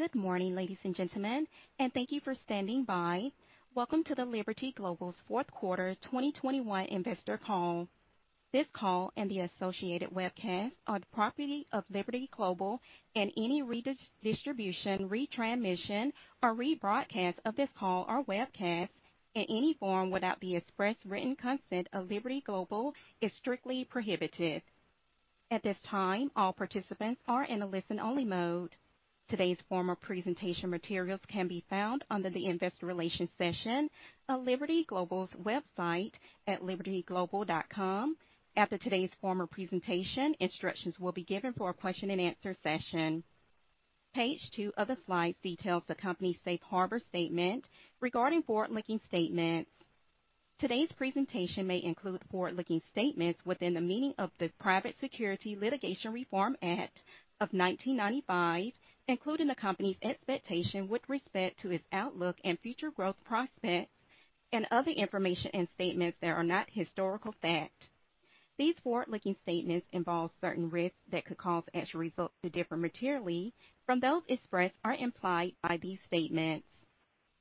Good morning, ladies and gentlemen, and thank you for standing by. Welcome to Liberty Global's Fourth Quarter 2021 Investor Call. This call and the associated webcast are the property of Liberty Global and any redistribution, retransmission, or rebroadcast of this call or webcast in any form without the express written consent of Liberty Global is strictly prohibited. At this time, all participants are in a listen-only mode. Today's formal presentation materials can be found under the Investor Relations section of Liberty Global's website at libertyglobal.com. After today's formal presentation, instructions will be given for a question-and-answer session. Page two of the slide details the company's safe harbor statement regarding forward-looking statements. Today's presentation may include forward-looking statements within the meaning of the Private Securities Litigation Reform Act of 1995, including the company's expectation with respect to its outlook and future growth prospects and other information and statements that are not historical fact. These forward-looking statements involve certain risks that could cause actual results to differ materially from those expressed or implied by these statements.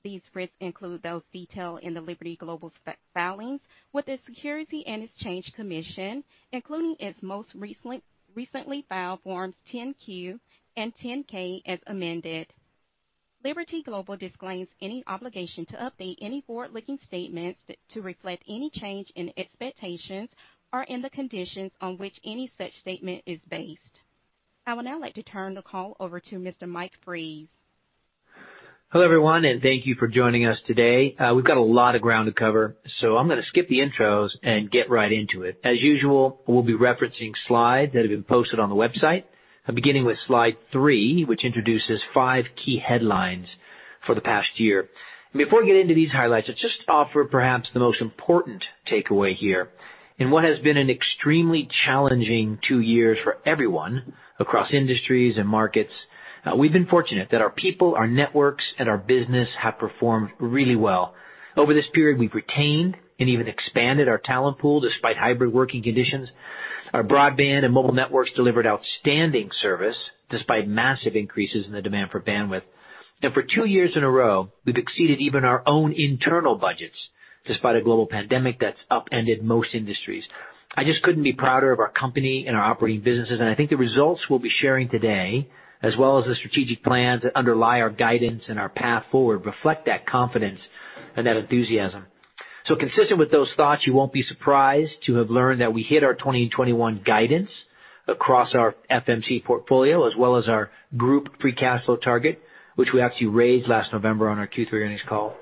These risks include those detailed in Liberty Global's filings with the Securities and Exchange Commission, including its most recently filed Forms 10-Q and 10-K, as amended. Liberty Global disclaims any obligation to update any forward-looking statements to reflect any change in expectations or in the conditions on which any such statement is based. I would now like to turn the call over to Mr. Mike Fries. Hello, everyone, and thank you for joining us today. We've got a lot of ground to cover, so I'm gonna skip the intros and get right into it. As usual, we'll be referencing slides that have been posted on the website. I'm beginning with slide three, which introduces five key headlines for the past year. Before we get into these highlights, I'll just offer perhaps the most important takeaway here. In what has been an extremely challenging two years for everyone across industries and markets, we've been fortunate that our people, our networks, and our business have performed really well. Over this period, we've retained and even expanded our talent pool despite hybrid working conditions. Our broadband and mobile networks delivered outstanding service despite massive increases in the demand for bandwidth. For two years in a row, we've exceeded even our own internal budgets despite a global pandemic that's upended most industries. I just couldn't be prouder of our company and our operating businesses, and I think the results we'll be sharing today, as well as the strategic plans that underlie our guidance and our path forward, reflect that confidence and that enthusiasm. Consistent with those thoughts, you won't be surprised to have learned that we hit our 2021 guidance across our FMC portfolio as well as our group free cash flow target, which we actually raised last November on our Q3 earnings call.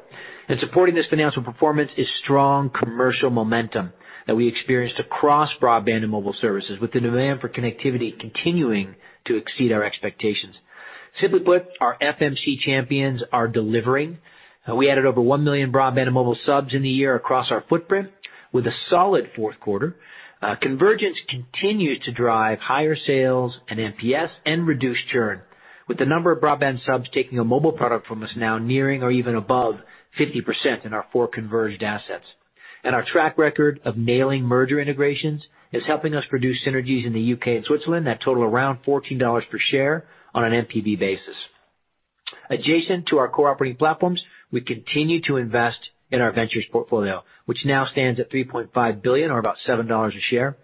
Supporting this financial performance is strong commercial momentum that we experienced across broadband and mobile services with the demand for connectivity continuing to exceed our expectations. Simply put, our FMC champions are delivering. We added over 1 million broadband and mobile subs in the year across our footprint with a solid fourth quarter. Convergence continues to drive higher sales and NPS and reduced churn, with the number of broadband subs taking a mobile product from us now nearing or even above 50% in our four converged assets. Our track record of nailing merger integrations is helping us produce synergies in the U.K. and Switzerland that total around $14 per share on an NPV basis. Adjacent to our core operating platforms, we continue to invest in our ventures portfolio, which now stands at $3.5 billion or about $7 a share.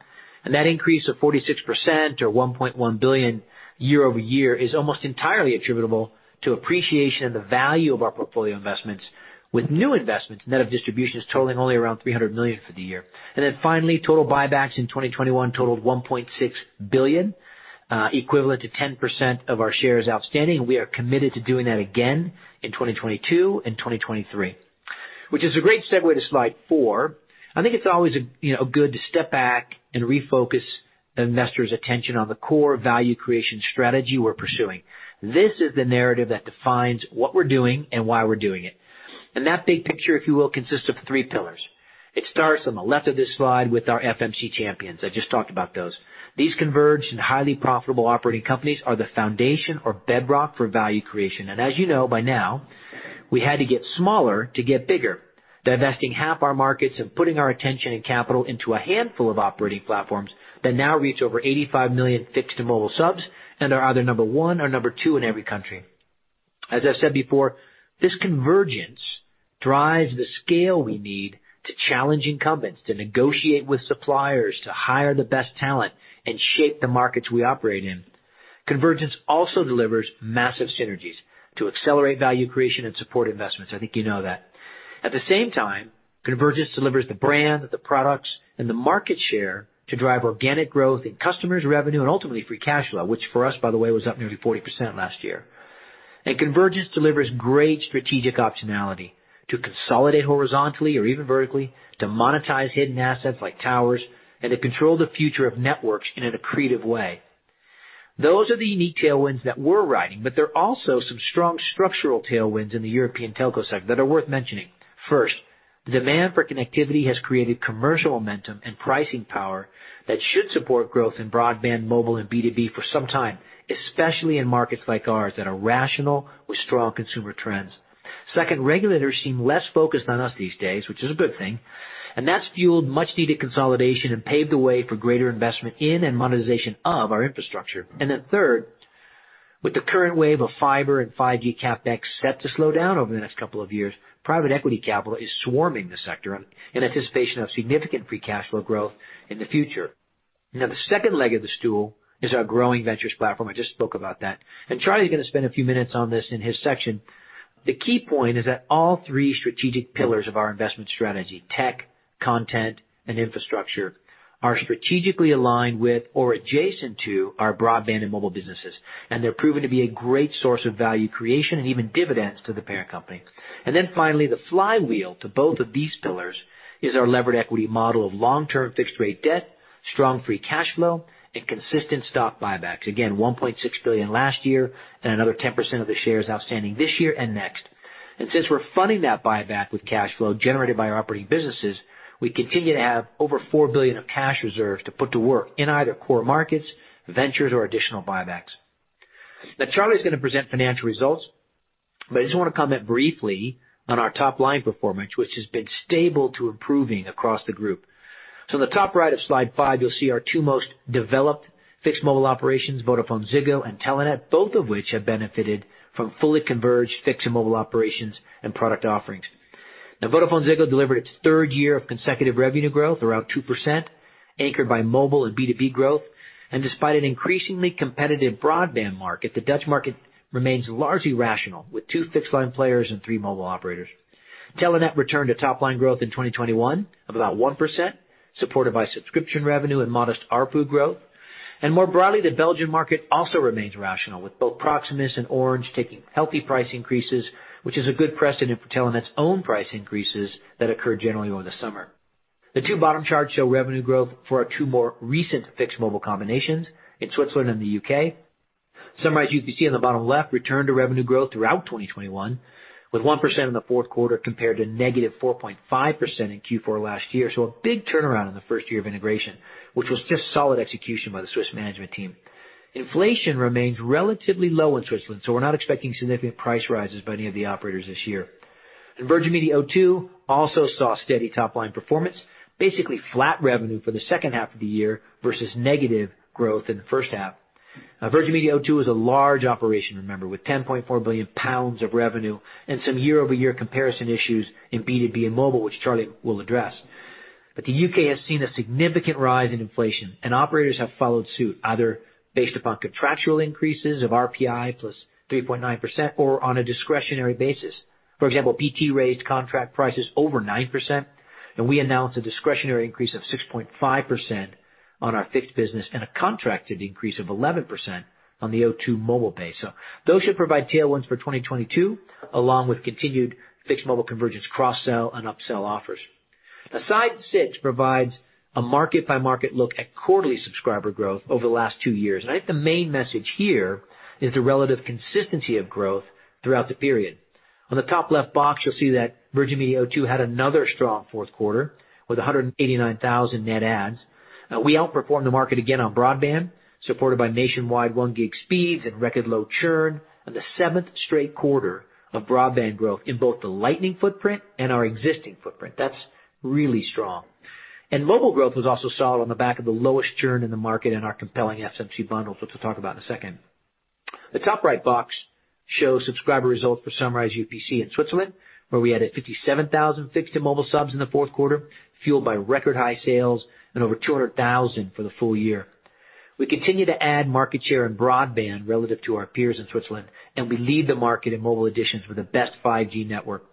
That increase of 46% or $1.1 billion year-over-year is almost entirely attributable to appreciation of the value of our portfolio investments, with new investments net of distributions totaling only around $300 million for the year. Finally, total buybacks in 2021 totaled $1.6 billion, equivalent to 10% of our shares outstanding. We are committed to doing that again in 2022 and 2023. Which is a great segue to slide four. I think it's always a, you know, good to step back and refocus investors' attention on the core value creation strategy we're pursuing. This is the narrative that defines what we're doing and why we're doing it. That big picture, if you will, consists of three pillars. It starts on the left of this slide with our FMC champions. I just talked about those. These converged and highly profitable operating companies are the foundation or bedrock for value creation. As you know by now, we had to get smaller to get bigger, divesting half our markets and putting our attention and capital into a handful of operating platforms that now reach over 85 million fixed-to-mobile subs and are either number one or number two in every country. As I've said before, this convergence drives the scale we need to challenge incumbents, to negotiate with suppliers, to hire the best talent and shape the markets we operate in. Convergence also delivers massive synergies to accelerate value creation and support investments. I think you know that. At the same time, convergence delivers the brand, the products, and the market share to drive organic growth in customers' revenue and ultimately free cash flow, which for us, by the way, was up nearly 40% last year. Convergence delivers great strategic optionality to consolidate horizontally or even vertically, to monetize hidden assets like towers, and to control the future of networks in an accretive way. Those are the unique tailwinds that we're riding, but there are also some strong structural tailwinds in the European telco sector that are worth mentioning. First, demand for connectivity has created commercial momentum and pricing power that should support growth in broadband, mobile, and B2B for some time, especially in markets like ours that are rational with strong consumer trends. Second, regulators seem less focused on us these days, which is a good thing, and that's fueled much needed consolidation and paved the way for greater investment in and monetization of our infrastructure. Then third. With the current wave of fiber and 5G CapEx set to slow down over the next couple of years, private equity capital is swarming the sector in anticipation of significant free cash flow growth in the future. Now, the second leg of the stool is our growing ventures platform. I just spoke about that, and Charlie's going to spend a few minutes on this in his section. The key point is that all three strategic pillars of our investment strategy, tech, content, and infrastructure, are strategically aligned with or adjacent to our broadband and mobile businesses. They're proven to be a great source of value creation and even dividends to the parent company. Finally, the flywheel to both of these pillars is our levered equity model of long-term fixed rate debt, strong free cash flow, and consistent stock buybacks. Again, $1.6 billion last year and another 10% of the shares outstanding this year and next. Since we're funding that buyback with cash flow generated by our operating businesses, we continue to have over $4 billion of cash reserves to put to work in either core markets, ventures, or additional buybacks. Now, Charlie is going to present financial results, but I just want to comment briefly on our top line performance, which has been stable to improving across the group. In the top right of slide five, you'll see our two most developed fixed mobile operations, VodafoneZiggo and Telenet, both of which have benefited from fully converged fixed to mobile operations and product offerings. Now, VodafoneZiggo delivered its third year of consecutive revenue growth, around 2%, anchored by mobile and B2B growth. Despite an increasingly competitive broadband market, the Dutch market remains largely rational, with two fixed line players and three mobile operators. Telenet returned to top line growth in 2021 of about 1%, supported by subscription revenue and modest ARPU growth. More broadly, the Belgian market also remains rational, with both Proximus and Orange taking healthy price increases, which is a good precedent for Telenet's own price increases that occur generally over the summer. The two bottom charts show revenue growth for our two more recent fixed mobile combinations in Switzerland and the U.K. Sunrise UPC on the bottom left returned to revenue growth throughout 2021, with 1% in the fourth quarter compared to -4.5% in Q4 last year. A big turnaround in the first year of integration, which was just solid execution by the Swiss management team. Inflation remains relatively low in Switzerland, so we're not expecting significant price rises by any of the operators this year. Virgin Media O2 also saw steady top line performance, basically flat revenue for the second half of the year versus negative growth in the first half. Now, Virgin Media O2 is a large operation, remember, with 10.4 billion pounds of revenue and some year-over-year comparison issues in B2B and mobile, which Charlie will address. The U.K. has seen a significant rise in inflation and operators have followed suit, either based upon contractual increases of RPI plus 3.9% or on a discretionary basis. For example, BT raised contract prices over 9%, and we announced a discretionary increase of 6.5% on our fixed business and a contracted increase of 11% on the O2 mobile base. Those should provide tailwinds for 2022, along with continued fixed mobile convergence cross-sell and upsell offers. Now, slide six provides a market by market look at quarterly subscriber growth over the last two years. I think the main message here is the relative consistency of growth throughout the period. On the top left box, you'll see that Virgin Media O2 had another strong fourth quarter with 189,000 net adds. We outperformed the market again on broadband, supported by nationwide 1 gig speeds and record low churn, and the seventh straight quarter of broadband growth in both the Lightning footprint and our existing footprint. That's really strong. Mobile growth was also solid on the back of the lowest churn in the market and our compelling FMC bundles, which we'll talk about in a second. The top right box shows subscriber results for Sunrise UPC in Switzerland, where we added 57,000 fixed to mobile subs in the fourth quarter, fueled by record high sales and over 200,000 for the full year. We continue to add market share and broadband relative to our peers in Switzerland, and we lead the market in mobile additions with the best 5G network.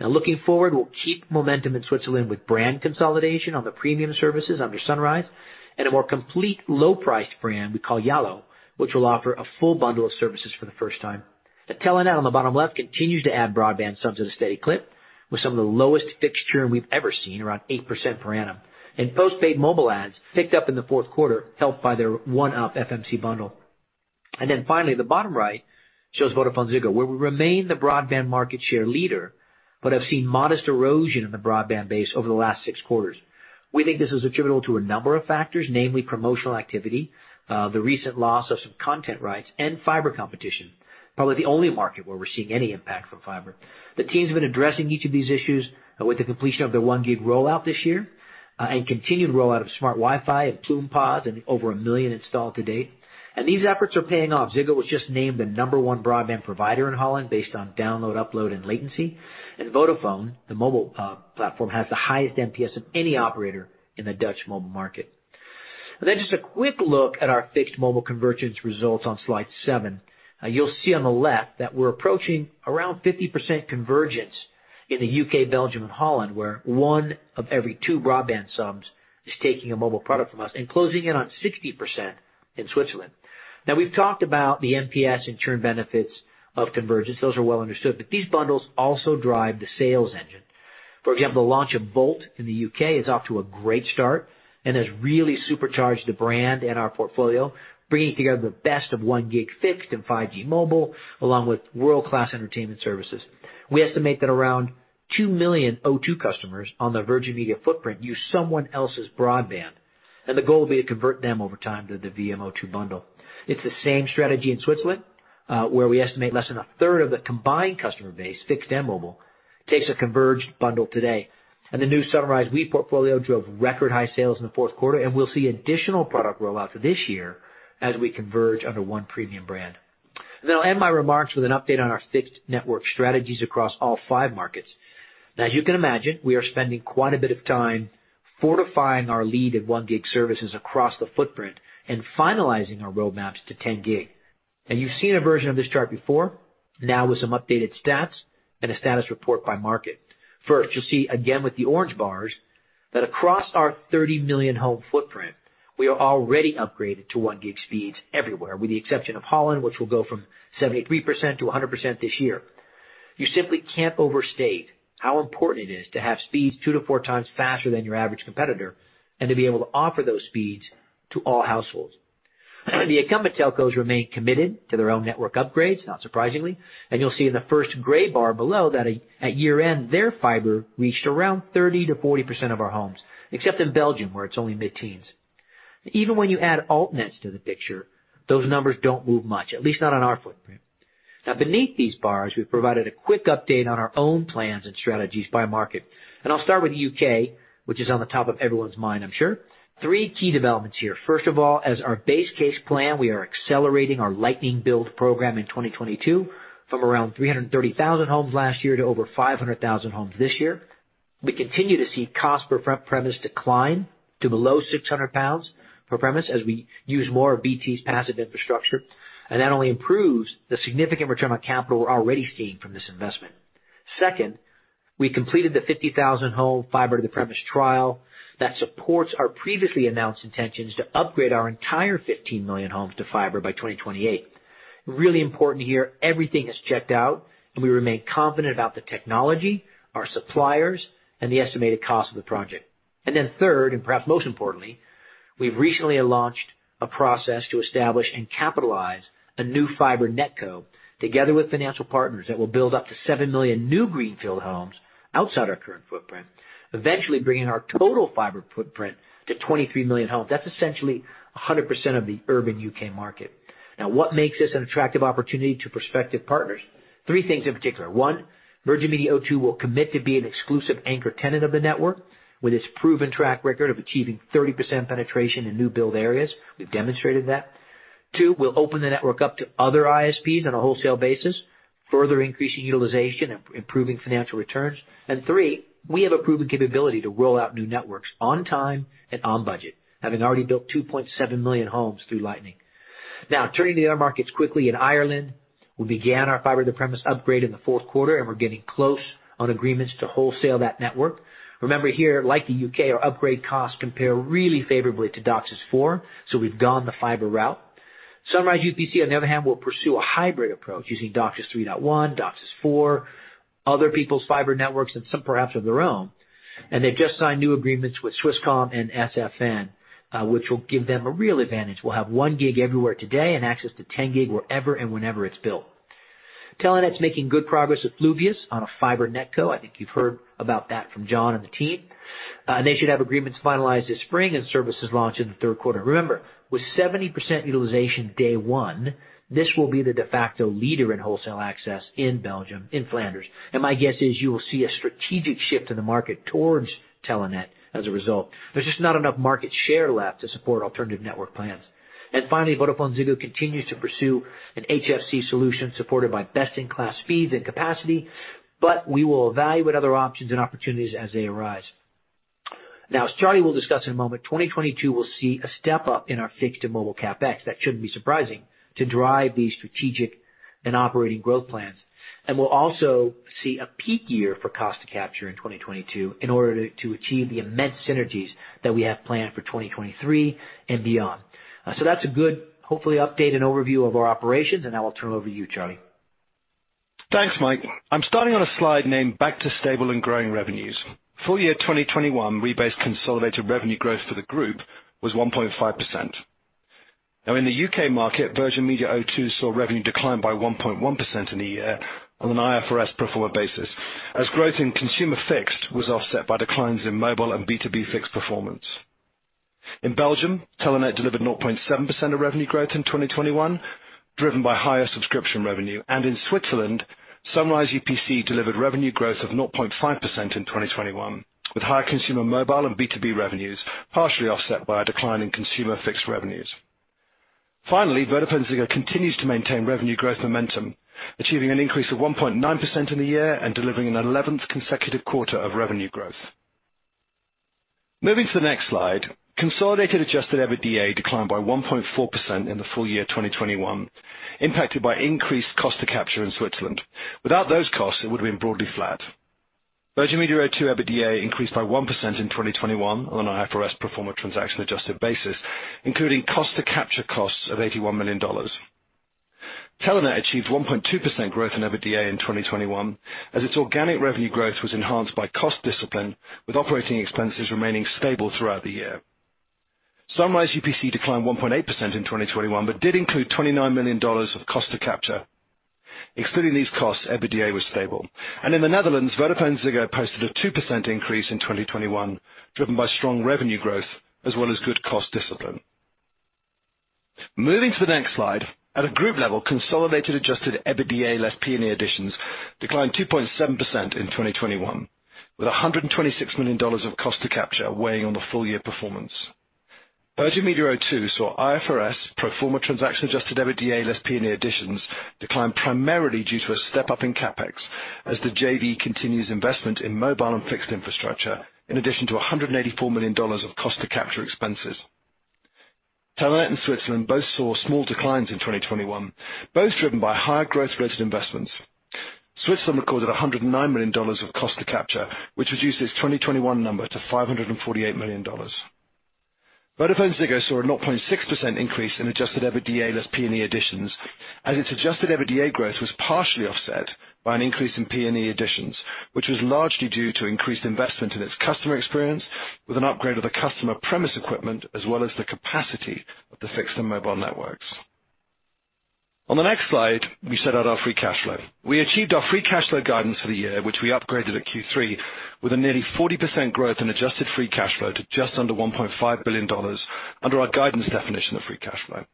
Now looking forward, we'll keep momentum in Switzerland with brand consolidation on the premium services under Sunrise and a more complete low priced brand we call yallo, which will offer a full bundle of services for the first time. Telenet on the bottom left continues to add broadband subs at a steady clip with some of the lowest fixed churn we've ever seen, around 8% per annum. Postpaid mobile adds picked up in the fourth quarter, helped by their ONE Up FMC bundle. Finally, the bottom right shows VodafoneZiggo, where we remain the broadband market share leader, but I've seen modest erosion in the broadband base over the last six quarters. We think this is attributable to a number of factors, namely promotional activity, the recent loss of some content rights, and fiber competition, probably the only market where we're seeing any impact from fiber. The team's been addressing each of these issues with the completion of their 1 gig rollout this year, and continued rollout of smart Wi-Fi and Plume Pod, and over 1 million installed to date. These efforts are paying off. Ziggo was just named the number one broadband provider in Holland based on download, upload, and latency. Vodafone, the mobile platform, has the highest NPS of any operator in the Dutch mobile market. Just a quick look at our fixed mobile convergence results on slide seven. You'll see on the left that we're approaching around 50% convergence in the U.K., Belgium, and Holland, where one of every two broadband subs is taking a mobile product from us and closing in on 60% in Switzerland. Now, we've talked about the NPS and churn benefits of convergence. Those are well understood, but these bundles also drive the sales engine. For example, the launch of VOLT in the U.K. is off to a great start and has really supercharged the brand and our portfolio, bringing together the best of 1 gig fixed and 5G mobile, along with world-class entertainment services. We estimate that around 2 million O2 customers on the Virgin Media footprint use someone else's broadband, and the goal will be to convert them over time to the VMO2 bundle. It's the same strategy in Switzerland, where we estimate less than a third of the combined customer base, fixed and mobile, takes a converged bundle today. The new Sunrise Up portfolio drove record high sales in the fourth quarter, and we'll see additional product rollout for this year as we converge under one premium brand. Now I'll end my remarks with an update on our fixed network strategies across all five markets. As you can imagine, we are spending quite a bit of time fortifying our lead in 1 gig services across the footprint and finalizing our roadmaps to 10 gig. Now you've seen a version of this chart before, now with some updated stats and a status report by market. First, you'll see again with the orange bars that across our 30 million home footprint, we are already upgraded to 1 gig speeds everywhere, with the exception of Holland, which will go from 73% to 100% this year. You simply can't overstate how important it is to have speeds 2-4x faster than your average competitor and to be able to offer those speeds to all households. The incumbent telcos remain committed to their own network upgrades, not surprisingly. You'll see in the first gray bar below that at year-end, their fiber reached around 30%-40% of our homes, except in Belgium, where it's only mid-teens. Even when you add alt nets to the picture, those numbers don't move much, at least not on our footprint. Now beneath these bars, we've provided a quick update on our own plans and strategies by market. I'll start with U.K., which is on the top of everyone's mind, I'm sure. Three key developments here. First of all, as our base case plan, we are accelerating our Lightning build program in 2022 from around 330,000 homes last year to over 500,000 homes this year. We continue to see cost per front premise decline to below 600 pounds per premise as we use more of BT's passive infrastructure, and that only improves the significant return on capital we're already seeing from this investment. Second, we completed the 50,000-home fiber to the premises trial that supports our previously announced intentions to upgrade our entire 15 million homes to fiber by 2028. Really important here, everything has checked out, and we remain confident about the technology, our suppliers, and the estimated cost of the project. Third, and perhaps most importantly, we've recently launched a process to establish and capitalize a new fiber NetCo together with financial partners that will build up to 7 million new greenfield homes outside our current footprint, eventually bringing our total fiber footprint to 23 million homes. That's essentially 100% of the urban U.K. market. Now, what makes this an attractive opportunity to prospective partners? Three things in particular. One, Virgin Media O2 will commit to be an exclusive anchor tenant of the network with its proven track record of achieving 30% penetration in new build areas. We've demonstrated that. Two, we'll open the network up to other ISPs on a wholesale basis, further increasing utilization, improving financial returns. Three, we have a proven capability to roll out new networks on time and on budget, having already built 2.7 million homes through Lightning. Now turning to the other markets quickly. In Ireland, we began our fiber to the premises upgrade in the fourth quarter, and we're getting close on agreements to wholesale that network. Remember here, like the U.K., our upgrade costs compare really favorably to DOCSIS 4.0, so we've gone the fiber route. Sunrise UPC, on the other hand, will pursue a hybrid approach using DOCSIS 3.1, DOCSIS 4.0, other people's fiber networks and some perhaps of their own. They've just signed new agreements with Swisscom and SFN, which will give them a real advantage. We'll have 1 gig everywhere today and access to 10 gig wherever and whenever it's built. Telenet's making good progress with Fluvius on a fiber NetCo. I think you've heard about that from John and the team. They should have agreements finalized this spring and services launched in the third quarter. Remember, with 70% utilization day one, this will be the de facto leader in wholesale access in Belgium, in Flanders. My guess is you will see a strategic shift in the market towards Telenet as a result. There's just not enough market share left to support alternative network plans. Finally, VodafoneZiggo continues to pursue an HFC solution supported by best-in-class speeds and capacity, but we will evaluate other options and opportunities as they arise. Now, as Charlie will discuss in a moment, 2022 will see a step-up in our fixed and mobile CapEx, that shouldn't be surprising, to drive these strategic and operating growth plans. We'll also see a peak year for cost to capture in 2022 in order to achieve the immense synergies that we have planned for 2023 and beyond. That's a good, hopefully, update and overview of our operations, and I will turn over to you, Charlie. Thanks, Mike. I'm starting on a slide named Back to Stable and Growing Revenues. Full year 2021, rebased consolidated revenue growth for the group was 1.5%. Now in the U.K. market, Virgin Media O2 saw revenue decline by 1.1% in the year on an IFRS pro forma basis, as growth in consumer fixed was offset by declines in mobile and B2B fixed performance. In Belgium, Telenet delivered revenue growth of 0.7% in 2021, driven by higher subscription revenue. In Switzerland, Sunrise UPC delivered revenue growth of 0.5% in 2021, with higher consumer mobile and B2B revenues, partially offset by a decline in consumer fixed revenues. Finally, VodafoneZiggo continues to maintain revenue growth momentum, achieving an increase of 1.9% in the year and delivering an eleventh consecutive quarter of revenue growth. Moving to the next slide, consolidated adjusted EBITDA declined by 1.4% in the full year 2021, impacted by increased cost to capture in Switzerland. Without those costs, it would have been broadly flat. Virgin Media O2 EBITDA increased by 1% in 2021 on an IFRS pro forma transaction-adjusted basis, including cost to capture costs of $81 million. Telenet achieved 1.2% growth in EBITDA in 2021, as its organic revenue growth was enhanced by cost discipline, with operating expenses remaining stable throughout the year. Sunrise UPC declined 1.8% in 2021 but did include $29 million of cost to capture. Excluding these costs, EBITDA was stable. In the Netherlands, VodafoneZiggo posted a 2% increase in 2021, driven by strong revenue growth as well as good cost discipline. Moving to the next slide. At a group level, consolidated adjusted EBITDA less P&E additions declined 2.7% in 2021, with $126 million of cost to capture weighing on the full year performance. Virgin Media O2 saw IFRS pro forma transaction adjusted EBITDA less P&E additions decline primarily due to a step-up in CapEx as the JV continues investment in mobile and fixed infrastructure, in addition to $184 million of cost to capture expenses. Telenet and Switzerland both saw small declines in 2021, both driven by higher growth-related investments. Switzerland recorded $109 million of cost to capture, which reduced its 2021 number to $548 million. VodafoneZiggo saw a 0.6% increase in adjusted EBITDA less P&E Additions, as its adjusted EBITDA growth was partially offset by an increase in P&E Additions, which was largely due to increased investment in its customer experience with an upgrade of the customer premise equipment, as well as the capacity of the fixed and mobile networks. On the next slide, we set out our free cash flow. We achieved our free cash flow guidance for the year, which we upgraded at Q3 with a nearly 40% growth in adjusted free cash flow to just under $1.5 billion, under our guidance definition of free cash flow.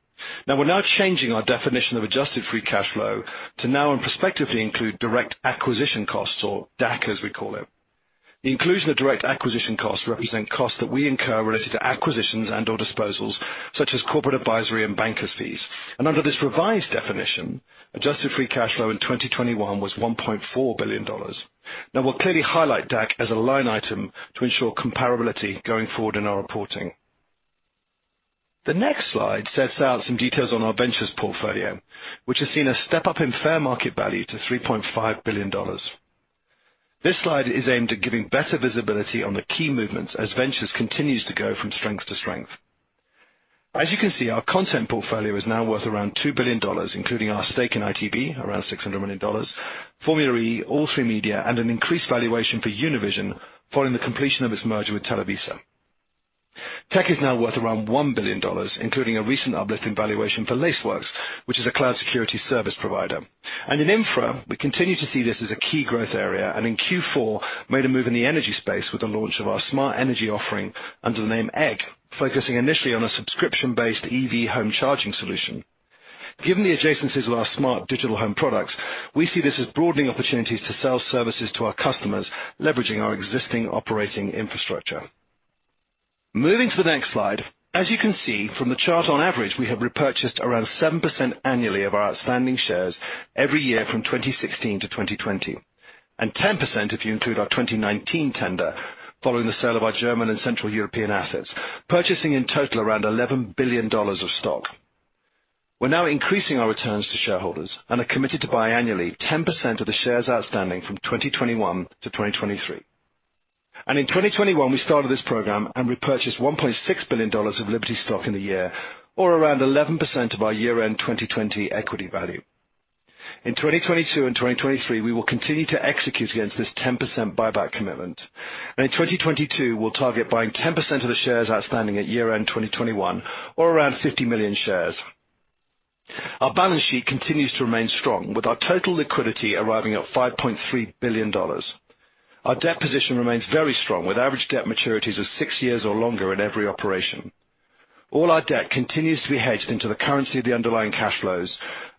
Now, we're changing our definition of adjusted free cash flow to now and prospectively include direct acquisition costs or DAC, as we call it. The inclusion of direct acquisition costs represent costs that we incur related to acquisitions and/or disposals, such as corporate advisory and bankers fees. Under this revised definition, adjusted free cash flow in 2021 was $1.4 billion. Now, we'll clearly highlight DAC as a line item to ensure comparability going forward in our reporting. The next slide sets out some details on our ventures portfolio, which has seen a step-up in fair market value to $3.5 billion. This slide is aimed at giving better visibility on the key movements as ventures continues to go from strength to strength. As you can see, our content portfolio is now worth around $2 billion, including our stake in ITV, around $600 million, Formula E, All3Media, and an increased valuation for Univision following the completion of its merger with Televisa. Tech is now worth around $1 billion, including a recent uplift in valuation for Lacework, which is a cloud security service provider. In infra, we continue to see this as a key growth area, and in Q4, made a move in the energy space with the launch of our smart energy offering under the name Egg, focusing initially on a subscription-based EV home charging solution. Given the adjacencies of our smart digital home products, we see this as broadening opportunities to sell services to our customers, leveraging our existing operating infrastructure. Moving to the next slide. As you can see from the chart on average, we have repurchased around 7% annually of our outstanding shares every year from 2016 to 2020, and 10% if you include our 2019 tender following the sale of our German and Central European assets. Purchasing in total around $11 billion of stock. We're now increasing our returns to shareholders and are committed to buy annually 10% of the shares outstanding from 2021 to 2023. In 2021, we started this program and repurchased $1.6 billion of Liberty stock in a year, or around 11% of our year-end 2020 equity value. In 2022 and 2023, we will continue to execute against this 10% buyback commitment. In 2022, we'll target buying 10% of the shares outstanding at year-end 2021, or around 50 million shares. Our balance sheet continues to remain strong, with our total liquidity arriving at $5.3 billion. Our debt position remains very strong, with average debt maturities of six years or longer in every operation. All our debt continues to be hedged into the currency of the underlying cash flows,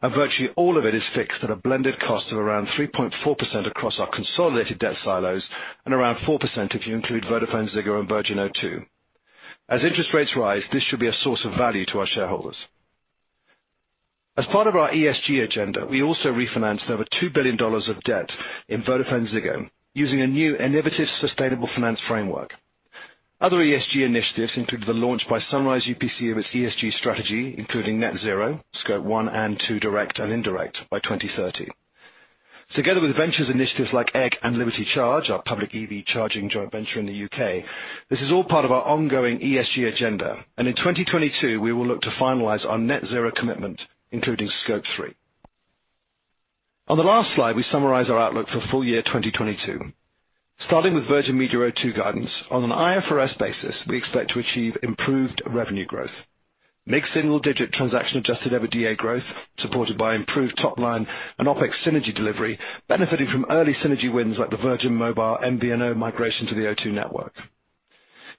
and virtually all of it is fixed at a blended cost of around 3.4% across our consolidated debt silos, and around 4% if you include VodafoneZiggo and Virgin Media O2. As interest rates rise, this should be a source of value to our shareholders. As part of our ESG agenda, we also refinanced over $2 billion of debt in VodafoneZiggo using a new innovative sustainable finance framework. Other ESG initiatives include the launch by Sunrise UPC of its ESG strategy, including net zero, Scope 1 and 2 direct and indirect, by 2030. Together with ventures initiatives like Egg and Liberty Charge, our public EV charging joint venture in the U.K., this is all part of our ongoing ESG agenda. In 2022, we will look to finalize our net zero commitment, including Scope 3. On the last slide, we summarize our outlook for full year 2022. Starting with Virgin Media O2 guidance, on an IFRS basis, we expect to achieve improved revenue growth, mixed single-digit transaction-adjusted EBITDA growth, supported by improved top line and OpEx synergy delivery, benefiting from early synergy wins like the Virgin Mobile MVNO migration to the O2 network.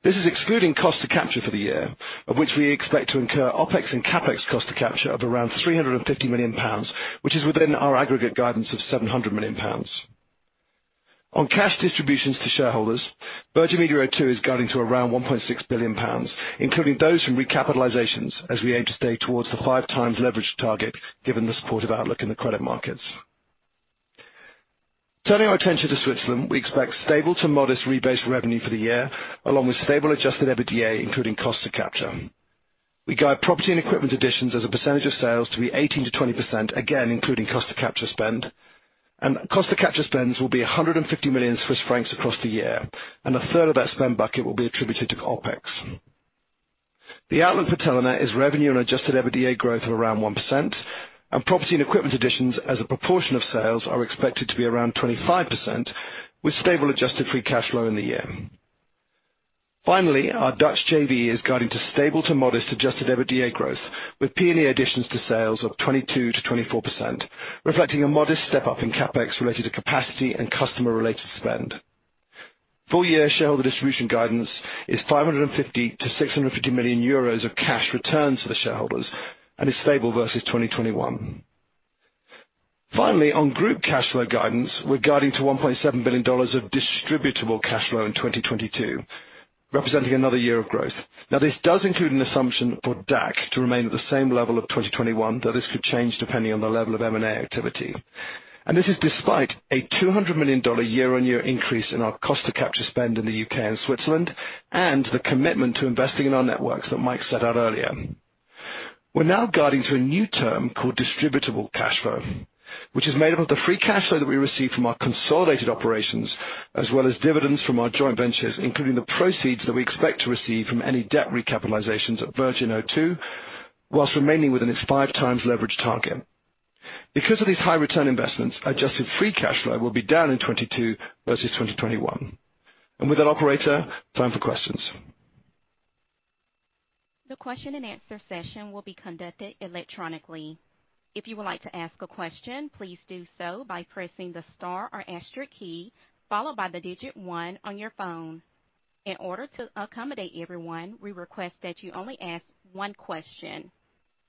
This is excluding cost to capture for the year, of which we expect to incur OpEx and CapEx cost to capture of around 350 million pounds, which is within our aggregate guidance of 700 million pounds. On cash distributions to shareholders, Virgin Media O2 is guiding to around 1.6 billion pounds, including those from recapitalizations as we aim to stay towards the 5x leverage target given the supportive outlook in the credit markets. Turning our attention to Switzerland, we expect stable to modest rebased revenue for the year, along with stable adjusted EBITDA including cost to capture. We guide property and equipment additions as a percentage of sales to be 18%-20%, again, including cost to capture spend. Cost to capture spends will be 150 million Swiss francs across the year, and a third of that spend bucket will be attributed to OpEx. The outlook for Telenet is revenue and adjusted EBITDA growth of around 1%, and property and equipment additions as a proportion of sales are expected to be around 25%, with stable adjusted free cash flow in the year. Finally, our Dutch JV is guiding to stable to modest adjusted EBITDA growth, with P&E additions to sales of 22%-24%, reflecting a modest step-up in CapEx related to capacity and customer-related spend. Full year shareholder distribution guidance is 550 million-650 million euros of cash returned to the shareholders and is stable versus 2021. Finally, on group cash flow guidance, we're guiding to $1.7 billion of distributable cash flow in 2022, representing another year of growth. Now, this does include an assumption for DAC to remain at the same level of 2021, though this could change depending on the level of M&A activity. This is despite a $200 million year-on-year increase in our cost to capture spend in the U.K. and Switzerland and the commitment to investing in our networks that Mike set out earlier. We're now guiding to a new term called distributable cash flow, which is made up of the free cash flow that we receive from our consolidated operations, as well as dividends from our joint ventures, including the proceeds that we expect to receive from any debt recapitalizations at Virgin O2, while remaining within its 5x leverage target. Because of these high return investments, adjusted free cash flow will be down in 2022 versus 2021. With that, operator, time for questions. The question-and-answer session will be conducted electronically. If you would like to ask a question, please do so by pressing the star or asterisk key followed by the digit one on your phone. In order to accommodate everyone, we request that you only ask one question.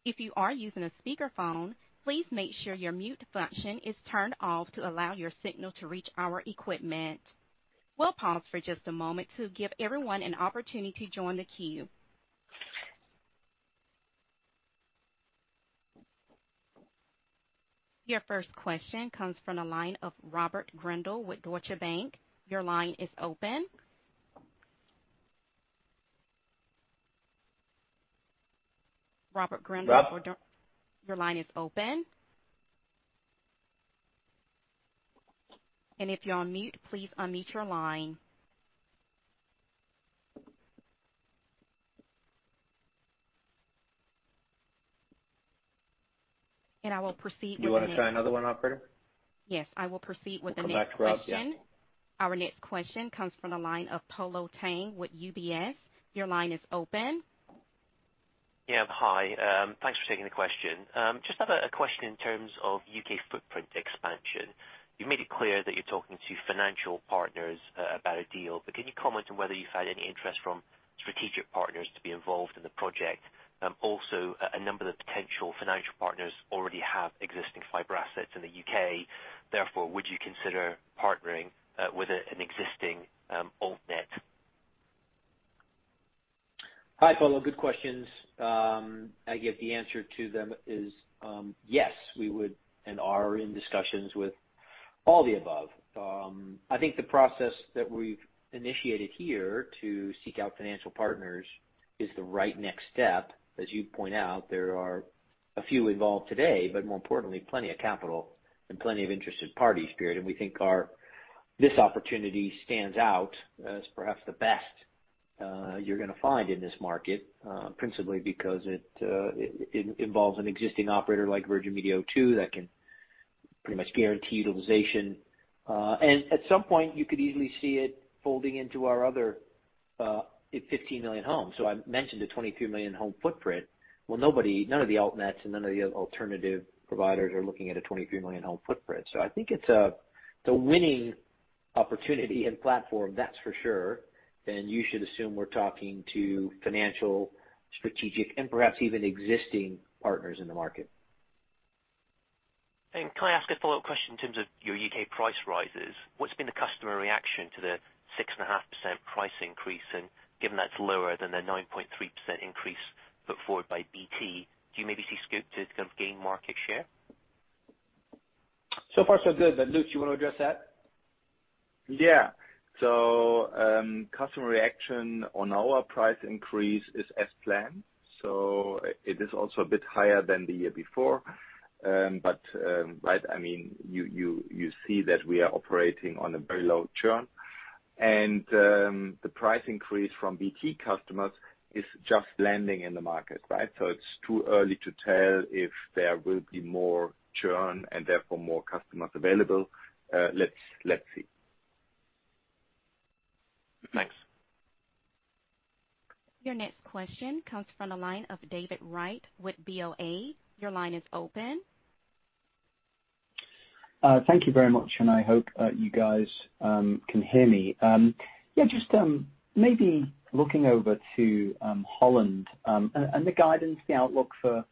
If you are using a speakerphone, please make sure your mute function is turned off to allow your signal to reach our equipment. We'll pause for just a moment to give everyone an opportunity to join the queue. Your first question comes from the line of Robert Grindle with Deutsche Bank. Your line is open. Robert Grindle. Rob. Your line is open. And if you're on mute, please unmute your line. And I will proceed with the next. Do you wanna try another one, operator? Yes, I will proceed with the next question. We'll come back to Rob, yeah. Our next question comes from the line of Polo Tang with UBS. Your line is open. Yeah. Hi, thanks for taking the question. I just have a question in terms of U.K. footprint expansion. You've made it clear that you're talking to financial partners about a deal, but can you comment on whether you've had any interest from strategic partners to be involved in the project? Also, a number of potential financial partners already have existing fiber assets in the U.K. Therefore, would you consider partnering with an existing altnet? Hi, Polo. Good questions. I guess the answer to them is yes, we would and are in discussions with all the above. I think the process that we've initiated here to seek out financial partners is the right next step. As you point out, there are a few involved today, but more importantly, plenty of capital and plenty of interested parties. We think this opportunity stands out as perhaps the best you're gonna find in this market, principally because it involves an existing operator like Virgin Media O2 that can pretty much guarantee utilization. At some point, you could easily see it folding into our other if 15 million homes. I mentioned a 23 million home footprint. Well, nobody, none of the altnets and none of the alternative providers are looking at a 23 million home footprint. I think it's the winning opportunity and platform, that's for sure. You should assume we're talking to financial, strategic, and perhaps even existing partners in the market. Can I ask a follow-up question in terms of your U.K. price rises? What's been the customer reaction to the 6.5% price increase? Given that's lower than the 9.3% increase put forward by BT, do you maybe see scope to kind of gain market share? So far so good. But Lutz, you wanna address that? Yeah. Customer reaction on our price increase is as planned. It is also a bit higher than the year before. I mean, you see that we are operating on a very low churn. The price increase from BT customers is just landing in the market, right? It's too early to tell if there will be more churn and therefore more customers available. Let's see. Thanks. Your next question comes from the line of David Wright with BofA. Your line is open. Thank you very much, and I hope you guys can hear me. Yeah, just maybe looking over to Holland and the guidance, the outlook for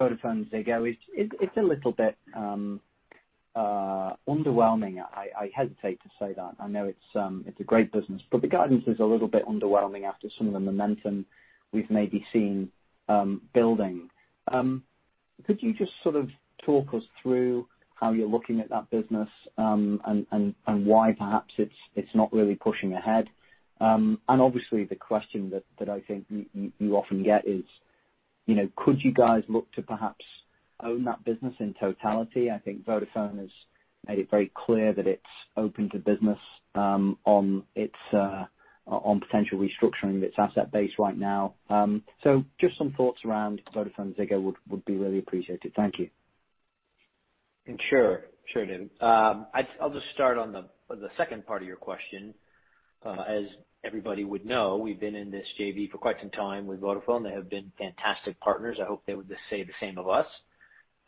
VodafoneZiggo is, it's a little bit underwhelming. I hesitate to say that. I know it's a great business. The guidance is a little bit underwhelming after some of the momentum we've maybe seen building. Could you just sort of talk us through how you're looking at that business, and why perhaps it's not really pushing ahead? And obviously, the question that I think you often get is, you know, could you guys look to perhaps own that business in totality? I think Vodafone has made it very clear that it's open to business on potential restructuring of its asset base right now. Just some thoughts around VodafoneZiggo would be really appreciated. Thank you. Sure. Sure, David. I'll just start on the second part of your question. As everybody would know, we've been in this JV for quite some time with Vodafone. They have been fantastic partners. I hope they would just say the same of us.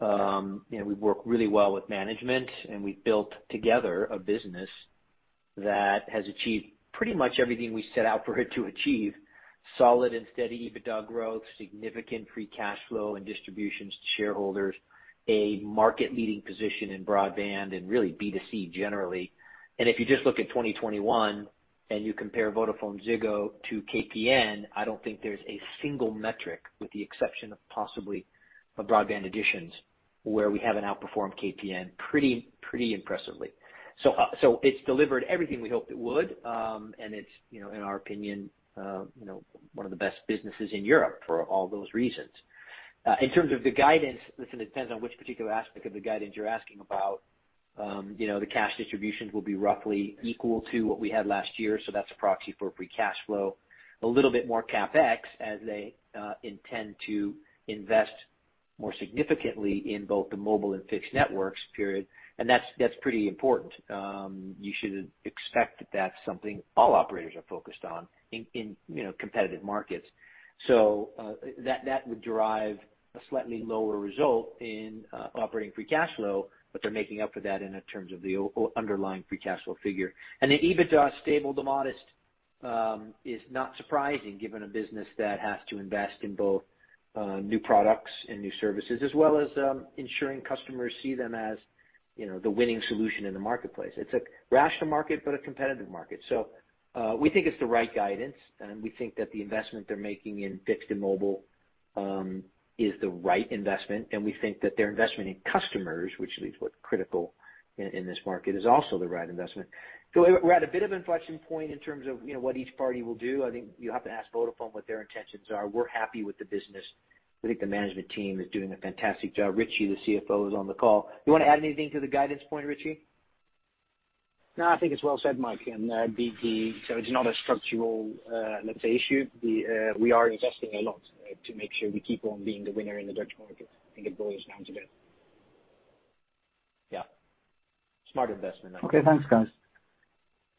You know, we work really well with management, and we've built together a business. That has achieved pretty much everything we set out for it to achieve. Solid and steady EBITDA growth, significant free cash flow and distributions to shareholders, a market-leading position in broadband and really B2C generally. If you just look at 2021 and you compare VodafoneZiggo to KPN, I don't think there's a single metric, with the exception of possibly broadband additions, where we haven't outperformed KPN pretty impressively. It's delivered everything we hoped it would, and it's, you know, in our opinion, you know, one of the best businesses in Europe for all those reasons. In terms of the guidance, listen, it depends on which particular aspect of the guidance you're asking about. You know, the cash distributions will be roughly equal to what we had last year, so that's a proxy for free cash flow. A little bit more CapEx as they intend to invest more significantly in both the mobile and fixed networks. That's pretty important. You should expect that that's something all operators are focused on in you know competitive markets. That would derive a slightly lower result in operating free cash flow, but they're making up for that in terms of the underlying free cash flow figure. The EBITDA stable to modest is not surprising given a business that has to invest in both new products and new services, as well as ensuring customers see them as you know the winning solution in the marketplace. It's a rational market but a competitive market. We think it's the right guidance, and we think that the investment they're making in fixed and mobile is the right investment. We think that their investment in customers, which is what's critical in this market, is also the right investment. We're at a bit of inflection point in terms of you know what each party will do. I think you'll have to ask Vodafone what their intentions are. We're happy with the business. We think the management team is doing a fantastic job. Ritchy, the CFO, is on the call. You wanna add anything to the guidance point, Ritchy? No, I think it's well said, Mike. It's not a structural, let's say, issue. We are investing a lot to make sure we keep on being the winner in the Dutch market. I think it boils down to that. Yeah. Smart investment. Okay, thanks guys.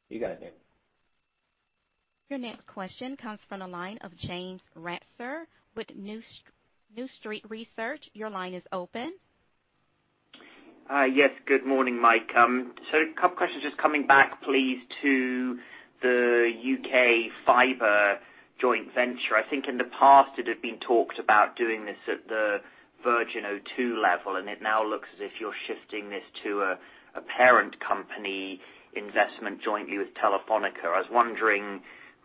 You got it, Dave. Your next question comes from the line of James Ratzer with New Street Research. Your line is open. Yes. Good morning, Mike. So a couple questions. Just coming back, please, to the U.K. fiber joint venture. I think in the past, it had been talked about doing this at the Virgin O2 level, and it now looks as if you're shifting this to a parent company investment jointly with Telefónica. I was wondering,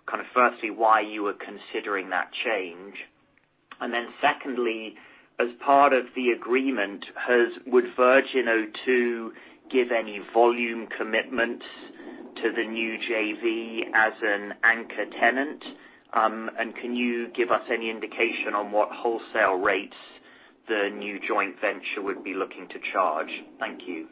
kind of firstly, why you were considering that change. Then secondly, as part of the agreement, would Virgin O2 give any volume commitments to the new JV as an anchor tenant? And can you give us any indication on what wholesale rates the new joint venture would be looking to charge? Thank you.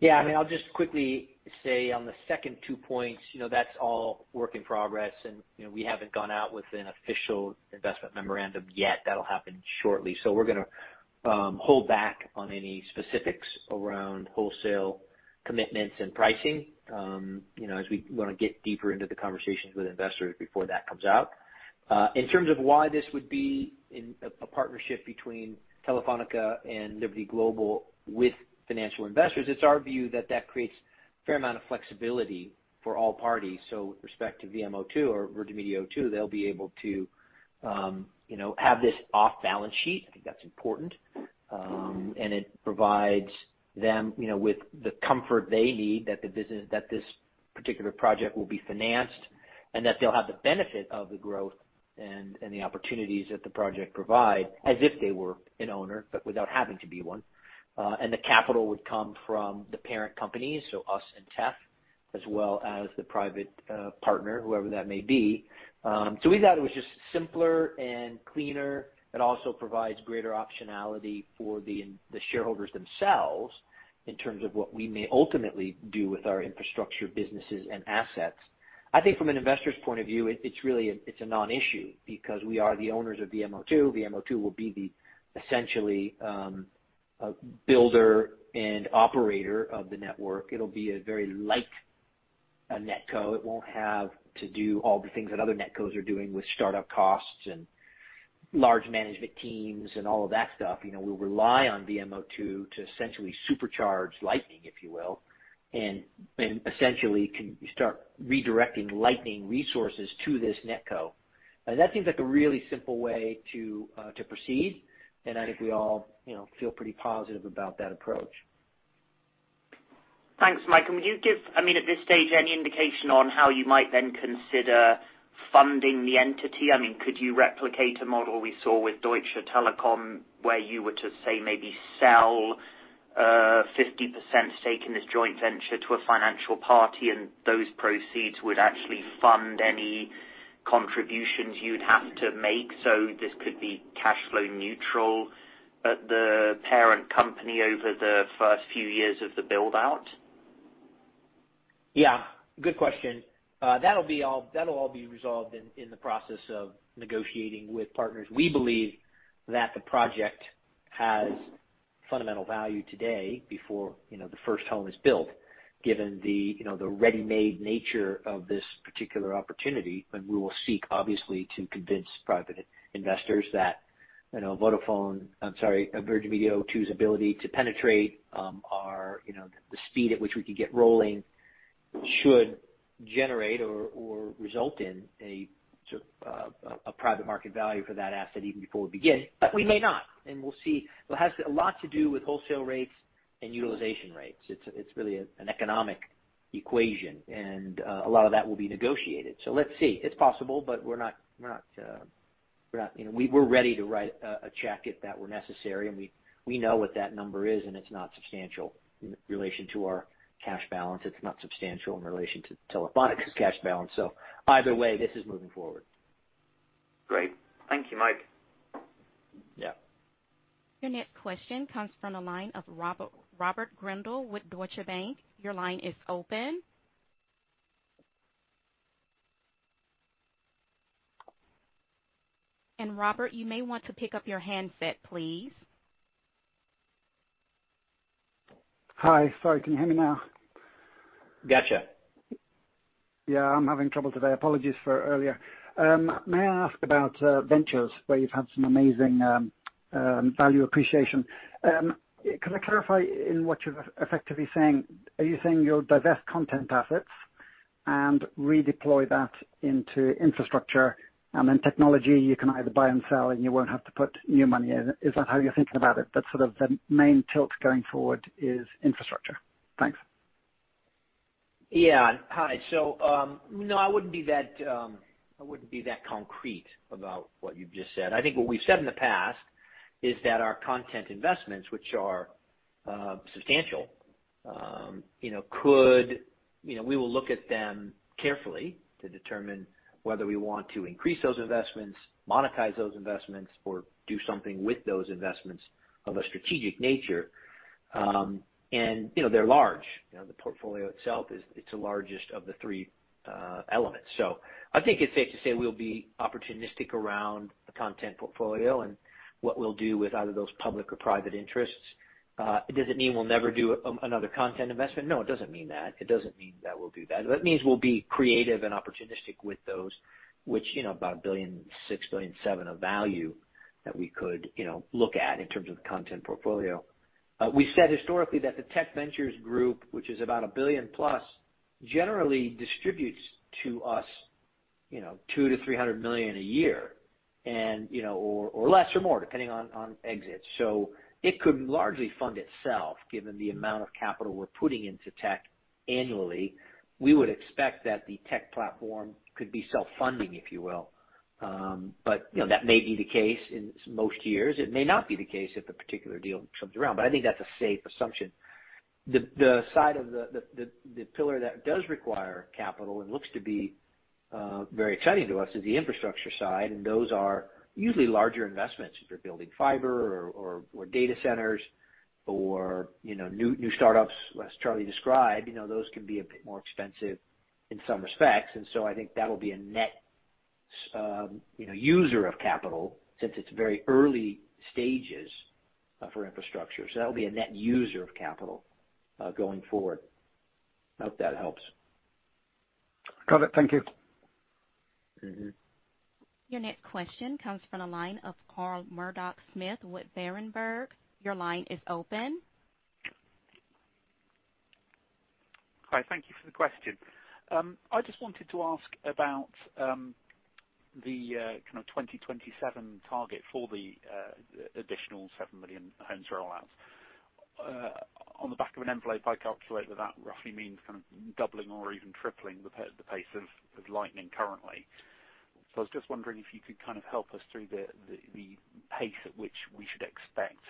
Yeah. I mean, I'll just quickly say on the second two points, you know, that's all work in progress and, you know, we haven't gone out with an official investment memorandum yet. That'll happen shortly. We're gonna hold back on any specifics around wholesale commitments and pricing, you know, as we wanna get deeper into the conversations with investors before that comes out. In terms of why this would be in a partnership between Telefónica and Liberty Global with financial investors, it's our view that that creates a fair amount of flexibility for all parties. With respect to VMO2 or Virgin Media O2, they'll be able to, you know, have this off balance sheet. I think that's important. It provides them, you know, with the comfort they need that this particular project will be financed and that they'll have the benefit of the growth and the opportunities that the project provide as if they were an owner, but without having to be one. The capital would come from the parent companies, so us and Tef, as well as the private partner, whoever that may be. We thought it was just simpler and cleaner. It also provides greater optionality for the shareholders themselves in terms of what we may ultimately do with our infrastructure, businesses, and assets. I think from an investor's point of view, it's really a non-issue because we are the owners of VMO2. VMO2 will be the essentially builder and operator of the network. It'll be a very light NetCo. It won't have to do all the things that other NetCos are doing with startup costs and large management teams and all of that stuff. You know, we'll rely on VMO2 to essentially supercharge Lightning, if you will, and essentially can start redirecting Lightning resources to this NetCo. That seems like a really simple way to proceed, and I think we all, you know, feel pretty positive about that approach. Thanks, Mike. Would you give, I mean, at this stage, any indication on how you might then consider funding the entity? I mean, could you replicate a model we saw with Deutsche Telekom, where you were to, say, maybe sell 50% stake in this joint venture to a financial party and those proceeds would actually fund any contributions you'd have to make, so this could be cash flow neutral at the parent company over the first few years of the build-out? Yeah. Good question. That'll all be resolved in the process of negotiating with partners. We believe that the project has fundamental value today before, you know, the first home is built, given the, you know, the ready-made nature of this particular opportunity. We will seek, obviously, to convince private investors that, you know, Vodafone— I'm sorry, Virgin Media O2's ability to penetrate, our, you know, the speed at which we can get rolling should generate or result in a sort of, a private market value for that asset even before we begin. We may not, and we'll see. It has a lot to do with wholesale rates and utilization rates. It's really an economic equation, and a lot of that will be negotiated. Let's see. It's possible, but we're not...You know, we're ready to write a check if that were necessary, and we know what that number is, and it's not substantial in relation to our cash balance. It's not substantial in relation to Telefónica's cash balance. Either way, this is moving forward. Great. Thank you, Mike. Yeah. Your next question comes from the line of Robert Grindle with Deutsche Bank. Your line is open. Robert, you may want to pick up your handset, please. Hi. Sorry, can you hear me now? Gotcha. Yeah, I'm having trouble today. Apologies for earlier. May I ask about ventures where you've had some amazing value appreciation? Can I clarify in what you're effectively saying, are you saying you'll divest content assets and redeploy that into infrastructure and then technology you can either buy and sell and you won't have to put new money in? Is that how you're thinking about it, that sort of the main tilt going forward is infrastructure? Thanks. I wouldn't be that concrete about what you've just said. I think what we've said in the past is that our content investments, which are substantial, you know, we will look at them carefully to determine whether we want to increase those investments, monetize those investments, or do something with those investments of a strategic nature. You know, they're large. You know, the portfolio itself is the largest of the three elements. I think it's safe to say we'll be opportunistic around the content portfolio and what we'll do with either of those public or private interests. Does it mean we'll never do another content investment? No, it doesn't mean that. It doesn't mean that we'll do that. What it means, we'll be creative and opportunistic with those which, you know, about $1.6 billion-$1.7 billion of value that we could, you know, look at in terms of content portfolio. We said historically that the tech ventures group, which is about $1 billion plus, generally distributes to us, you know, $200 million-$300 million a year and, you know, or less or more, depending on exits. So it could largely fund itself, given the amount of capital we're putting into tech annually. We would expect that the tech platform could be self-funding, if you will. But, you know, that may be the case in most years. It may not be the case if a particular deal comes around, but I think that's a safe assumption. The side of the pillar that does require capital and looks to be very exciting to us is the infrastructure side, and those are usually larger investments if you're building fiber or data centers or, you know, new startups as Charlie described, you know, those can be a bit more expensive in some respects. I think that'll be a net, you know, user of capital since it's very early stages for infrastructure. That'll be a net user of capital going forward. Hope that helps. Got it. Thank you. Mm-hmm. Your next question comes from the line of Carl Murdock-Smith with Berenberg. Your line is open. Hi. Thank you for the question. I just wanted to ask about the kind of 2027 target for the additional 7 million homes rollouts. On the back of an envelope, I calculate that roughly means kind of doubling or even tripling the pace of Lightning currently. I was just wondering if you could kind of help us through the pace at which we should expect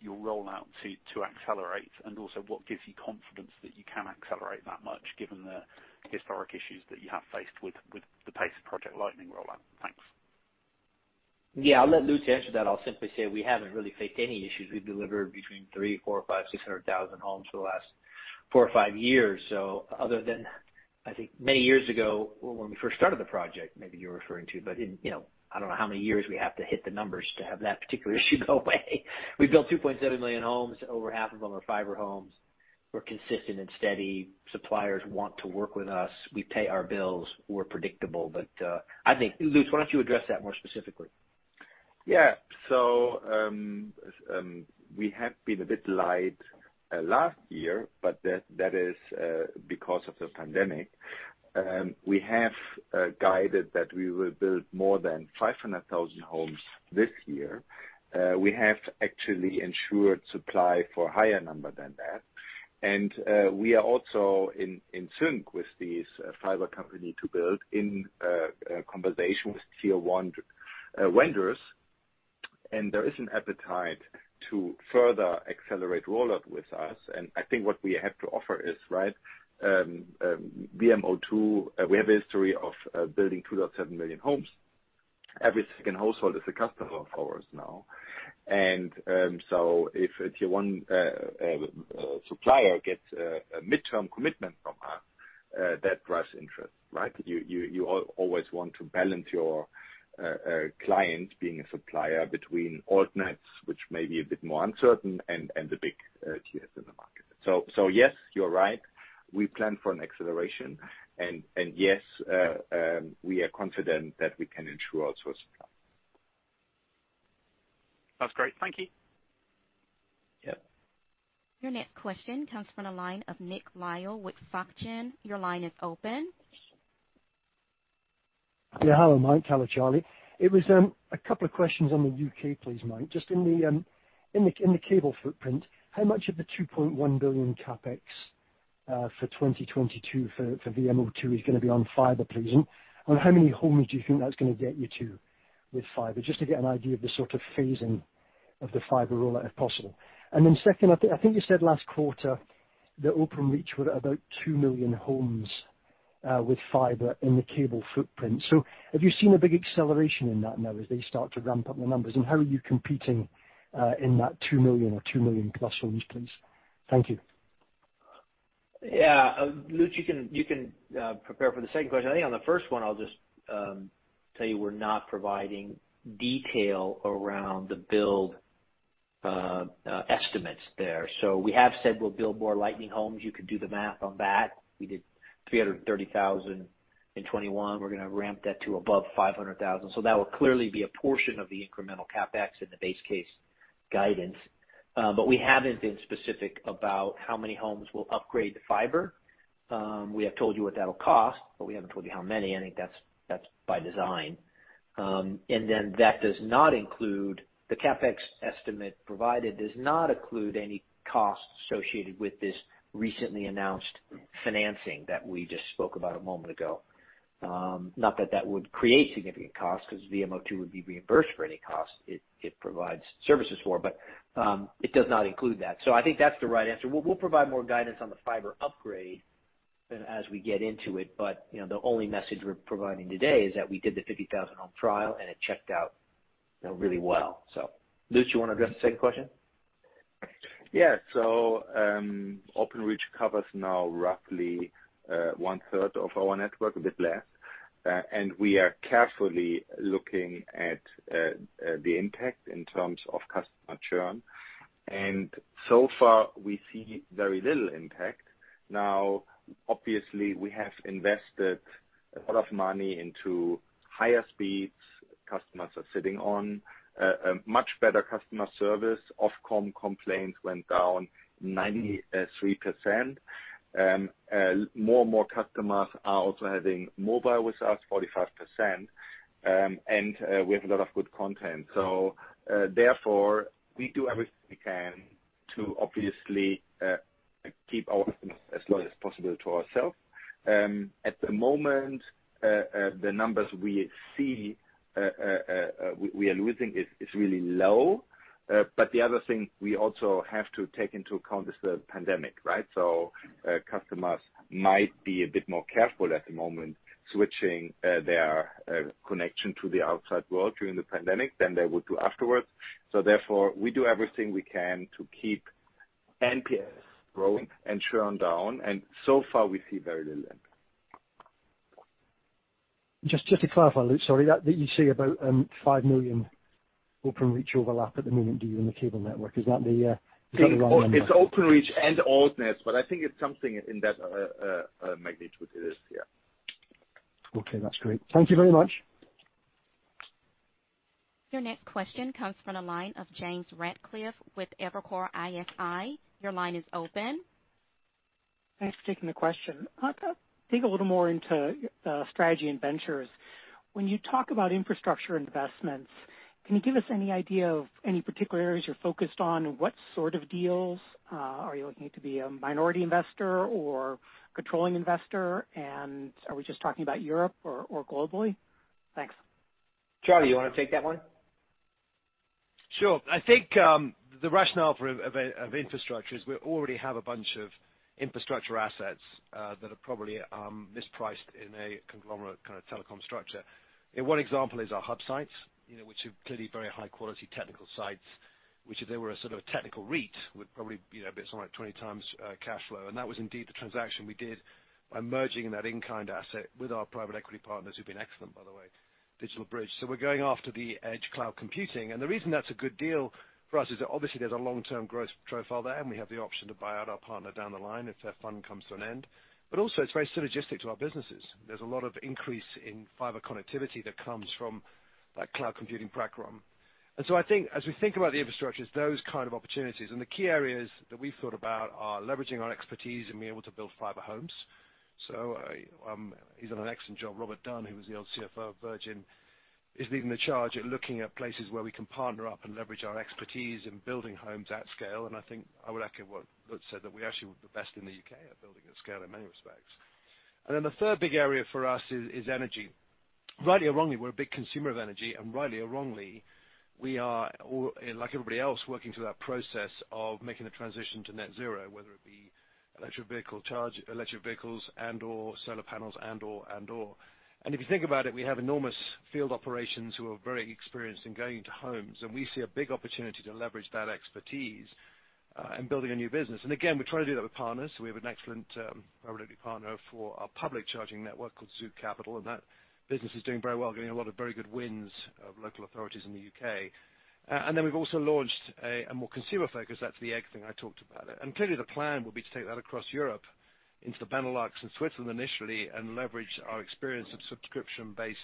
your rollout to accelerate, and also what gives you confidence that you can accelerate that much given the historic issues that you have faced with the pace of Project Lightning rollout? Thanks. Yeah. I'll let Lutz answer that. I'll simply say we haven't really faced any issues. We've delivered between 300,000-600,000 homes for the last four or five years. Other than, I think many years ago when we first started the project, maybe you're referring to, but in, you know, I don't know how many years we have to hit the numbers to have that particular issue go away. We've built 2.7 million homes, over half of them are fiber homes. We're consistent and steady. Suppliers want to work with us. We pay our bills, we're predictable. I think, Lutz, why don't you address that more specifically? Yeah. We have been a bit light last year, but that is because of the pandemic. We have guided that we will build more than 500,000 homes this year. We have actually ensured supply for a higher number than that. We are also in sync with these fiber company to build in conversation with tier one vendors. There is an appetite to further accelerate rollout with us. I think what we have to offer is right, VMO2. We have a history of building 2.7 million homes. Every second household is a customer of ours now. If a tier one supplier gets a midterm commitment from us, that drives interest, right? You always want to balance your client being a supplier between alt nets, which may be a bit more uncertain and the big tiers in the market. Yes, you're right. We plan for an acceleration. Yes, we are confident that we can ensure our source supply. That's great. Thank you. Yep. Your next question comes from the line of Nick Lyall with SocGen. Your line is open. Yeah. Hello, Mike. Hello, Charlie. It was a couple of questions on the U.K., please, Mike. Just in the cable footprint, how much of the 2.1 billion CapEx for 2022 for VMO2 is gonna be on fiber, please? And how many homes do you think that's gonna get you to with fiber? Just to get an idea of the sort of phasing of the fiber rollout, if possible. And then second, I think you said last quarter that Openreach were at about 2 million homes with fiber in the cable footprint. So have you seen a big acceleration in that now as they start to ramp up the numbers? And how are you competing in that 2 million or 2 million-plus homes, please? Thank you. Yeah. Lutz, you can prepare for the second question. I think on the first one, I'll just tell you we're not providing detail around the build estimates there. We have said we'll build more Lightning homes. You could do the math on that. We did 330,000 in 2021. We're gonna ramp that to above 500,000. That will clearly be a portion of the incremental CapEx in the base case guidance. We haven't been specific about how many homes will upgrade to fiber. We have told you what that'll cost, but we haven't told you how many. I think that's by design. The CapEx estimate provided does not include any costs associated with this recently announced financing that we just spoke about a moment ago. Not that that would create significant costs, 'cause VMO2 would be reimbursed for any costs it provides services for. It does not include that. I think that's the right answer. We'll provide more guidance on the fiber upgrade as we get into it, but you know, the only message we're providing today is that we did the 50,000 on trial, and it checked out, you know, really well. Lutz, you wanna address the second question? Openreach covers now roughly one-third of our network, a bit less. We are carefully looking at the impact in terms of customer churn. So far we see very little impact. Now, obviously, we have invested a lot of money into higher speeds. Customers are sitting on a much better customer service. Ofcom complaints went down 93%. More and more customers are also having mobile with us, 45%. We have a lot of good content. Therefore, we do everything we can to obviously keep our customers as loyal as possible to ourself. At the moment, the numbers we see we are losing is really low. The other thing we also have to take into account is the pandemic, right? Customers might be a bit more careful at the moment switching their connection to the outside world during the pandemic than they would do afterwards. Therefore, we do everything we can to keep NPS growing and churn down, and so far we see very little impact. Just to clarify, Lutz. Sorry. That you say about 5 million Openreach overlap at the moment, do you, in the cable network? Is that the wrong number? It's Openreach and alt net, but I think it's something in that magnitude it is. Yeah. Okay, that's great. Thank you very much. Your next question comes from the line of James Ratcliffe with Evercore ISI. Your line is open. Thanks for taking the question. I'd like to dig a little more into strategy and ventures. When you talk about infrastructure investments, can you give us any idea of any particular areas you're focused on and what sort of deals? Are you looking to be a minority investor or controlling investor? Are we just talking about Europe or globally? Thanks. Charlie, you wanna take that one? Sure. I think the rationale for infrastructure is we already have a bunch of infrastructure assets that are probably mispriced in a conglomerate kinda telecom structure. One example is our hub sites, you know, which are clearly very high quality technical sites, which if they were a sort of a technical REIT, would probably be somewhere at 20x cash flow. That was indeed the transaction we did by merging that in-kind asset with our private equity partners, who've been excellent, by the way, DigitalBridge. We're going after the edge cloud computing. The reason that's a good deal for us is that obviously there's a long-term growth profile there, and we have the option to buy out our partner down the line if their fund comes to an end. Also it's very synergistic to our businesses. There's a lot of increase in fiber connectivity that comes from that cloud computing background. I think as we think about the infrastructures, those kind of opportunities, and the key areas that we've thought about are leveraging our expertise and being able to build fiber homes. He's done an excellent job. Robert Dunn, who was the old CFO of Virgin, is leading the charge at looking at places where we can partner up and leverage our expertise in building homes at scale, and I think I would echo what Lutz said, that we actually were the best in the U.K. at building at scale in many respects. The third big area for us is energy. Rightly or wrongly, we're a big consumer of energy, and rightly or wrongly, we are like everybody else working through that process of making the transition to net zero, whether it be electric vehicle charging, electric vehicles and/or solar panels and/or. If you think about it, we have enormous field operations who are very experienced in going into homes, and we see a big opportunity to leverage that expertise in building a new business. Again, we're trying to do that with partners. We have an excellent reliable partner for our public charging network called Zouk Capital, and that business is doing very well, getting a lot of very good wins with local authorities in the U.K. Then we've also launched a more consumer-focused. That's the Egg thing I talked about. Clearly the plan will be to take that across Europe into the Benelux and Switzerland initially and leverage our experience of subscription-based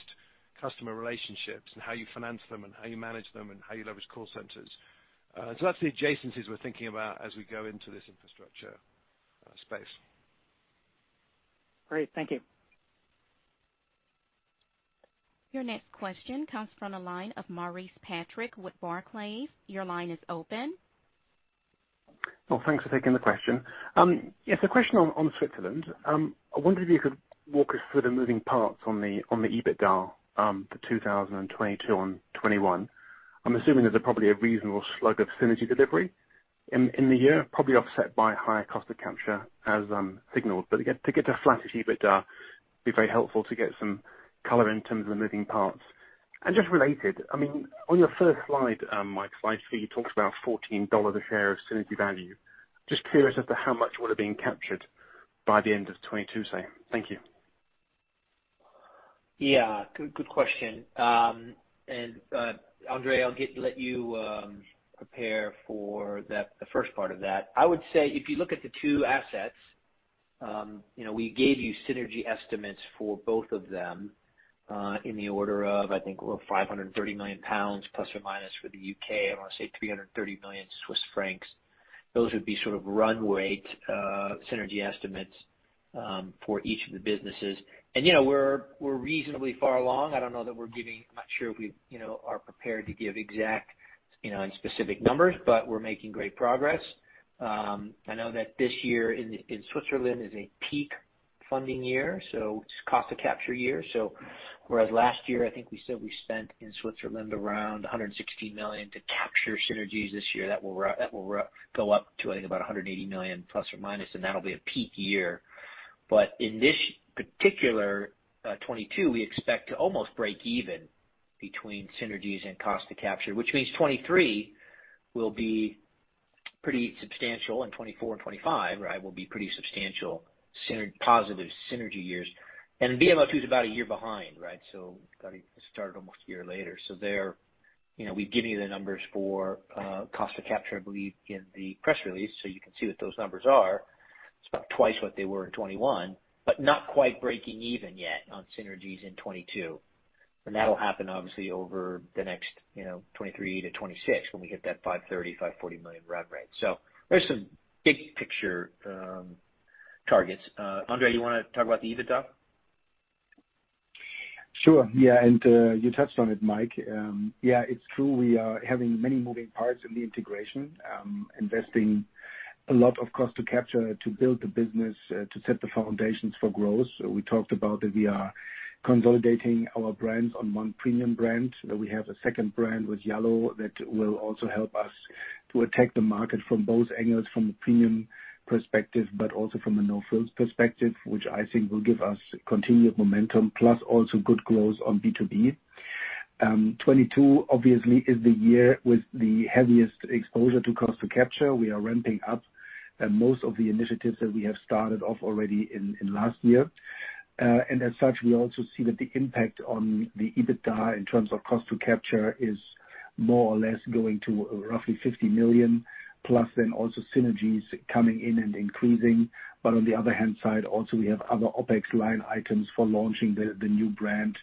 customer relationships and how you finance them and how you manage them and how you leverage call centers. That's the adjacencies we're thinking about as we go into this infrastructure. Great. Thank you. Your next question comes from the line of Maurice Patrick with Barclays. Your line is open. Oh, thanks for taking the question. Yes, a question on Switzerland. I wondered if you could walk us through the moving parts on the EBITDA for 2022 on 2021. I'm assuming there's probably a reasonable slug of synergy delivery in the year, probably offset by higher cost to capture as signaled. But again, to get to flat EBITDA, it would be very helpful to get some color in terms of the moving parts. Just related, I mean, on your first slide, Mike, slide three, you talked about $14 a share of synergy value. Just curious as to how much would have been captured by the end of 2022, say. Thank you. Yeah. Good question. André, I'll let you prepare for the first part of that. I would say if you look at the two assets, you know, we gave you synergy estimates for both of them, in the order of, I think, 530 million pounds ± for the U.K. I want to say 330 million Swiss francs. Those would be sort of run rate synergy estimates for each of the businesses. You know, we're reasonably far along. I don't know that we're giving. I'm not sure if we are prepared to give exact and specific numbers, but we're making great progress. I know that this year in Switzerland is a peak funding year, so it's cost to capture year. Whereas last year, I think we said we spent in Switzerland around 160 million to capture synergies this year. That will go up to, I think about 180 million plus or minus, and that'll be a peak year. In this particular 2022, we expect to almost break even between synergies and cost to capture, which means 2023 will be pretty substantial in 2024 and 2025, right? Will be pretty substantial positive synergy years. VMO2 is about a year behind, right? Gotta start almost a year later. There, you know, we've given you the numbers for cost to capture, I believe, in the press release, so you can see what those numbers are. It's about twice what they were in 2021, but not quite breaking even yet on synergies in 2022. That'll happen obviously over the next, you know, 2023-2026 when we hit that $530 million-$540 million run rate. There's some big picture targets. André, you wanna talk about the EBITDA? Sure. Yeah, you touched on it, Mike. Yeah, it's true. We are having many moving parts in the integration, investing a lot of cost to capture to build the business, to set the foundations for growth. We talked about that we are consolidating our brands on one premium brand. We have a second brand with yallo that will also help us to attack the market from both angles from a premium perspective, but also from a no-frills perspective, which I think will give us continued momentum plus also good growth on B2B. 2022 obviously is the year with the heaviest exposure to cost to capture. We are ramping up most of the initiatives that we have started off already in last year. As such, we also see that the impact on the EBITDA in terms of cost to capture is more or less going to roughly $50 million plus then also synergies coming in and increasing. On the other hand side, also we have other OpEx line items for launching the new brand.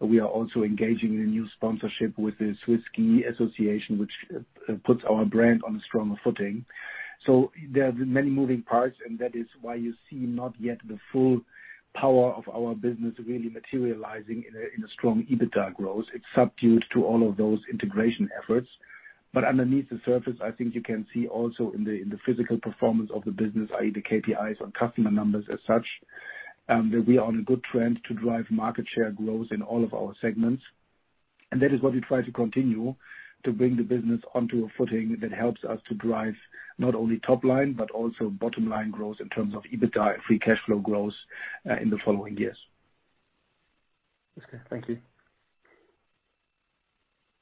We are also engaging in a new sponsorship with the Swiss-Ski, which puts our brand on a stronger footing. There are many moving parts, and that is why you see not yet the full power of our business really materializing in a strong EBITDA growth. It's subdued to all of those integration efforts. Underneath the surface, I think you can see also in the physical performance of the business, i.e. The KPIs on customer numbers as such, that we are on a good trend to drive market share growth in all of our segments. That is what we try to continue to bring the business onto a footing that helps us to drive not only top line, but also bottom line growth in terms of EBITDA free cash flow growth, in the following years. Okay, thank you.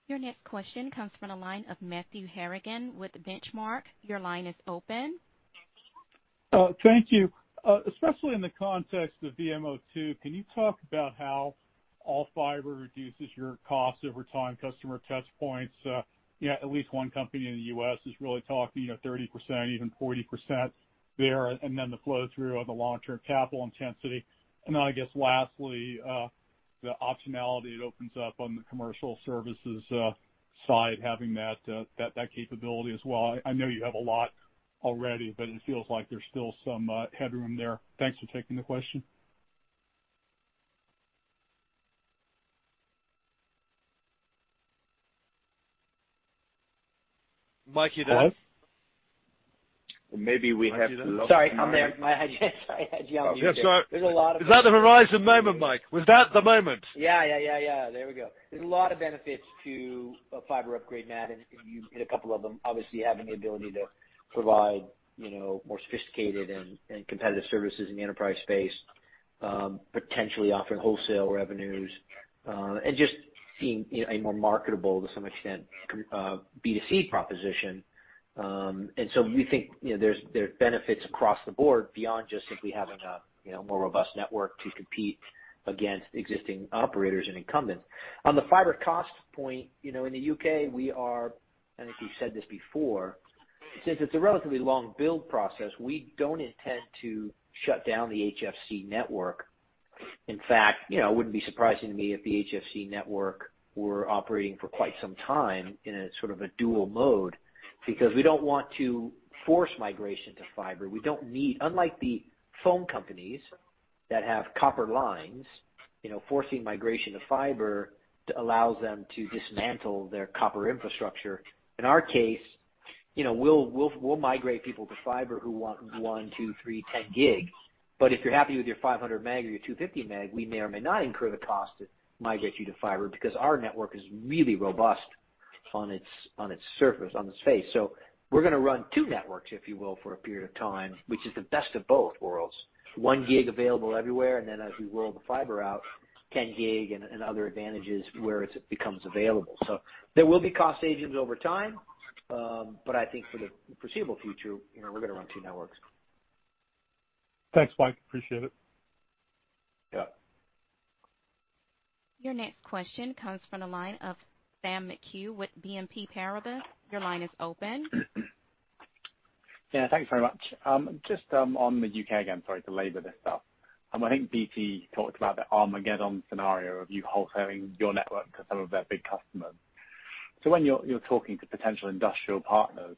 Your next question comes from the line of Matthew Harrigan with Benchmark. Your line is open. Thank you. Especially in the context of VMO2, can you talk about how all fiber reduces your costs over time, customer touchpoints? Yeah, at least one company in the U.S. is really talking, you know, 30%, even 40% there, and then the flow through on the long-term capital intensity. Then I guess lastly, the optionality it opens up on the commercial services side having that capability as well. I know you have a lot already, but it feels like there's still some headroom there. Thanks for taking the question. Mike, are you there. Maybe we have lost Mike. Sorry, I'm there. Sorry, I had you on mute there. Yeah, sorry. There's a lot of- Is that the Verizon moment, Mike? Was that the moment? Yeah. There we go. There's a lot of benefits to a fiber upgrade, Matt, and you hit a couple of them, obviously having the ability to provide, you know, more sophisticated and competitive services in the enterprise space, potentially offering wholesale revenues, and just being, you know, a more marketable to some extent B2C proposition. We think, you know, there are benefits across the board beyond just simply having a, you know, more robust network to compete against existing operators and incumbents. On the fiber cost point, you know, in the U.K. we are, and I think we've said this before, since it's a relatively long build process, we don't intend to shut down the HFC network. In fact, you know, it wouldn't be surprising to me if the HFC network were operating for quite some time in a sort of a dual mode, because we don't want to force migration to fiber. We don't need, unlike the phone companies that have copper lines, you know, forcing migration to fiber allows them to dismantle their copper infrastructure. In our case, you know, we'll migrate people to fiber who want 1, 2, 3, 10 gig. If you're happy with your 500 meg or your 250 meg, we may or may not incur the cost to migrate you to fiber because our network is really robust on its surface in the space. We're gonna run two networks, if you will, for a period of time, which is the best of both worlds. 1 gig available everywhere, and then as we roll the fiber out, 10 gig and other advantages where it becomes available. There will be cost savings over time, but I think for the foreseeable future, you know, we're gonna run two networks. Thanks, Mike. Appreciate it. Yeah. Your next question comes from the line of Sam McHugh with BNP Paribas. Your line is open. Yeah, thank you very much. Just, on the U.K. again, sorry to labor this stuff. I think BT talked about the Armageddon scenario of you wholesaling your network to some of their big customers. When you're talking to potential industrial partners,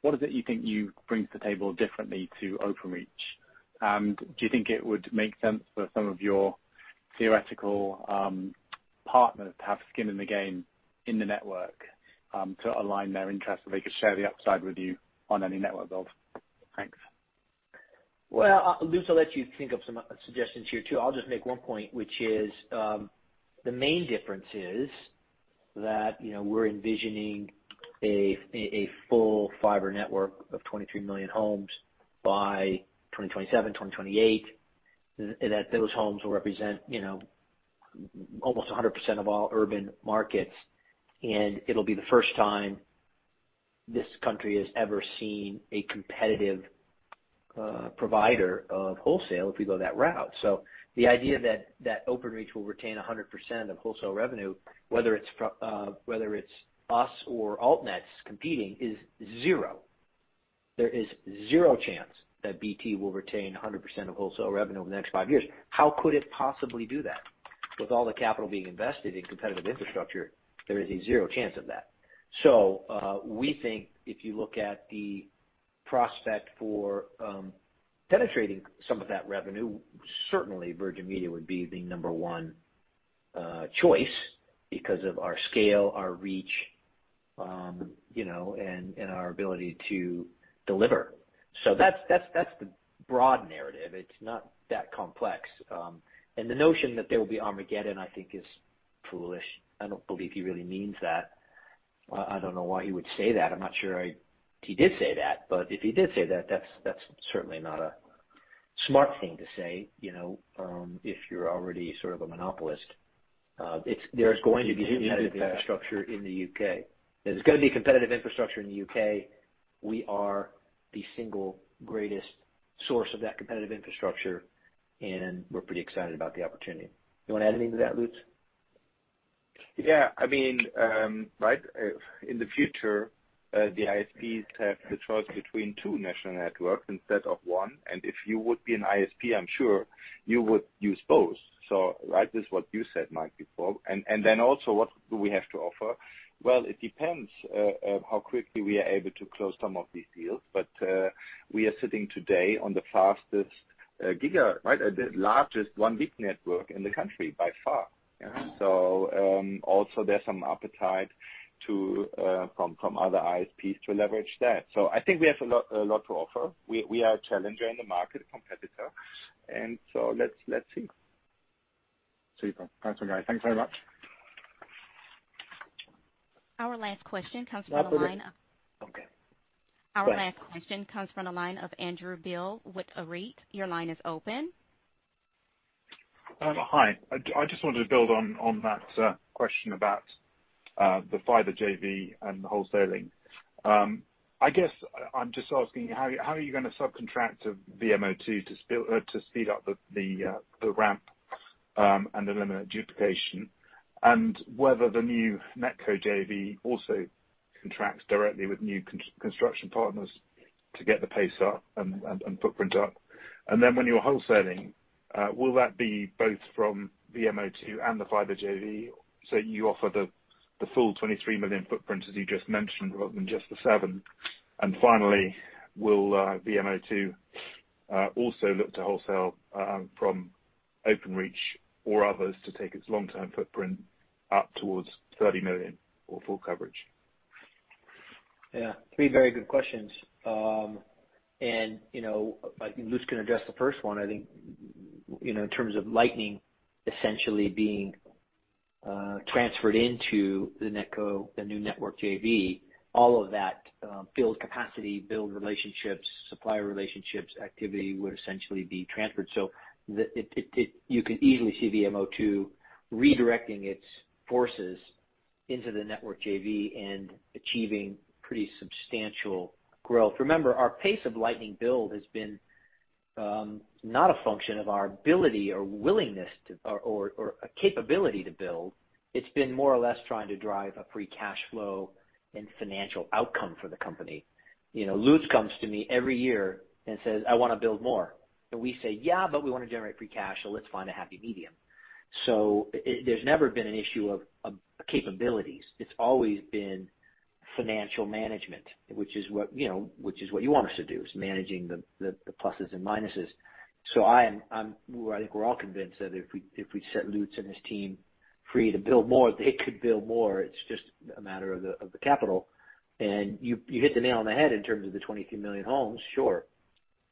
what is it you think you bring to the table differently to Openreach? Do you think it would make sense for some of your theoretical partners to have skin in the game in the network, to align their interests so they could share the upside with you on any network build? Thanks. Well, Lutz, I'll let you think of some suggestions here too. I'll just make one point, which is, the main difference is that, you know, we're envisioning a full fiber network of 23 million homes by 2027, 2028, and that those homes will represent, you know, almost 100% of all urban markets. It'll be the first time this country has ever seen a competitive provider of wholesale if we go that route. The idea that Openreach will retain 100% of wholesale revenue, whether it's us or alt nets competing, is zero. There is zero chance that BT will retain 100% of wholesale revenue over the next five years. How could it possibly do that? With all the capital being invested in competitive infrastructure, there is a zero chance of that. We think if you look at the prospect for penetrating some of that revenue, certainly Virgin Media would be the number one choice because of our scale, our reach, you know, and our ability to deliver. That's the broad narrative. It's not that complex. The notion that there will be Armageddon, I think is foolish. I don't believe he really means that. I don't know why he would say that. I'm not sure he did say that, but if he did say that's certainly not a smart thing to say, you know, if you're already sort of a monopolist. There's going to be competitive infrastructure in the U.K. If there's gonna be competitive infrastructure in the U.K., we are the single greatest source of that competitive infrastructure, and we're pretty excited about the opportunity. You wanna add anything to that, Lutz? Yeah. I mean, right, in the future, the ISPs have the choice between two national networks instead of one. If you would be an ISP, I'm sure you would use both. Right, this is what you said, Mike, before. Then also what do we have to offer? Well, it depends, how quickly we are able to close some of these deals. We are sitting today on the fastest, giga, right, the largest 1 gig network in the country by far. So also, there's some appetite from other ISPs to leverage that. I think we have a lot to offer. We are a challenger in the market competitor, and so let's see. Super. Thanks, guys. Thanks very much. Our last question comes from the line. Okay. Go ahead. Our last question comes from the line of Andrew Beale with Arete. Your line is open. Hi. Just wanted to build on that question about the fiber JV and the wholesaling. I guess I'm just asking how are you gonna subcontract to VMO2 to speed up the ramp and eliminate duplication? Whether the new NetCo JV also contracts directly with new construction partners to get the pace up and footprint up. Then when you're wholesaling, will that be both from VMO2 and the fiber JV, so you offer the full 23 million footprint as you just mentioned, rather than just the 7? Finally, will VMO2 also look to wholesale from Openreach or others to take its long-term footprint up towards 30 million or full coverage? Yeah. Three very good questions. You know, I think Lutz can address the first one. I think, you know, in terms of Lightning essentially being transferred into the NetCo, the new network JV, all of that build capacity, build relationships, supplier relationships, activity would essentially be transferred. You can easily see VMO2 redirecting its forces into the network JV and achieving pretty substantial growth. Remember, our pace of Lightning build has been not a function of our ability or willingness or capability to build. It's been more or less trying to drive a free cash flow and financial outcome for the company. You know, Lutz comes to me every year and says, "I wanna build more." And we say, "Yeah, but we wanna generate free cash, so let's find a happy medium." There's never been an issue of capabilities. It's always been financial management, which is what you know you want us to do, is managing the pluses and minuses. Well, I think we're all convinced that if we set Lutz and his team free to build more, they could build more. It's just a matter of the capital. You hit the nail on the head in terms of the 23 million homes. Sure.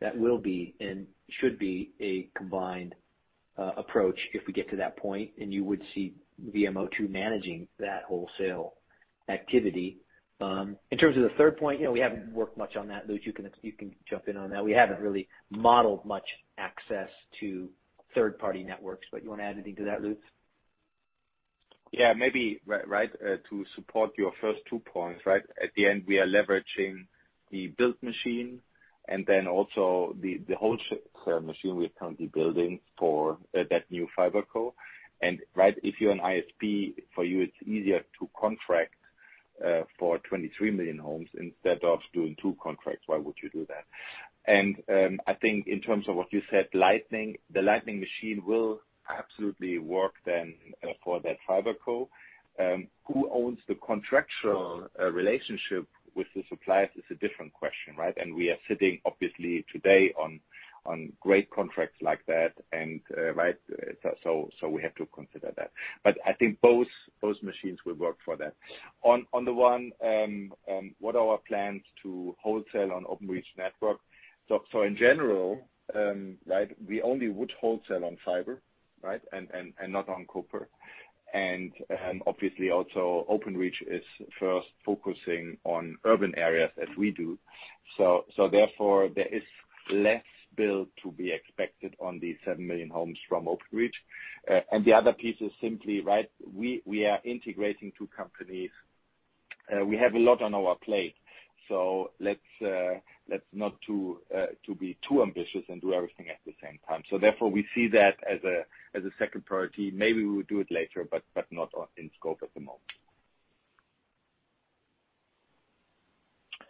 That will be and should be a combined approach if we get to that point, and you would see VMO2 managing that wholesale activity. In terms of the third point, you know, we haven't worked much on that. Lutz, you can jump in on that. We haven't really modeled much access to third-party networks. You wanna add anything to that, Lutz? Yeah, maybe. Right. To support your first two points, right? At the end, we are leveraging the built machine and then also the wholesale machine we're currently building for that new fiber co. Right, if you're an ISP, for you it's easier to contract for 23 million homes instead of doing two contracts. Why would you do that? I think in terms of what you said, Lightning, the Lightning machine will absolutely work then for that fiber co. Who owns the contractual relationship with the suppliers is a different question, right? We are sitting obviously today on great contracts like that, right. We have to consider that. I think both machines will work for that. On the one, what are our plans to wholesale on Openreach network? In general, we only would wholesale on fiber, right? Not on copper. Obviously, Openreach is first focusing on urban areas as we do. Therefore, there is less build to be expected on these 7 million homes from Openreach. The other piece is simply, right, we are integrating two companies. We have a lot on our plate, so let's not be too ambitious and do everything at the same time. Therefore, we see that as a second priority. Maybe we will do it later, but not in scope at the moment.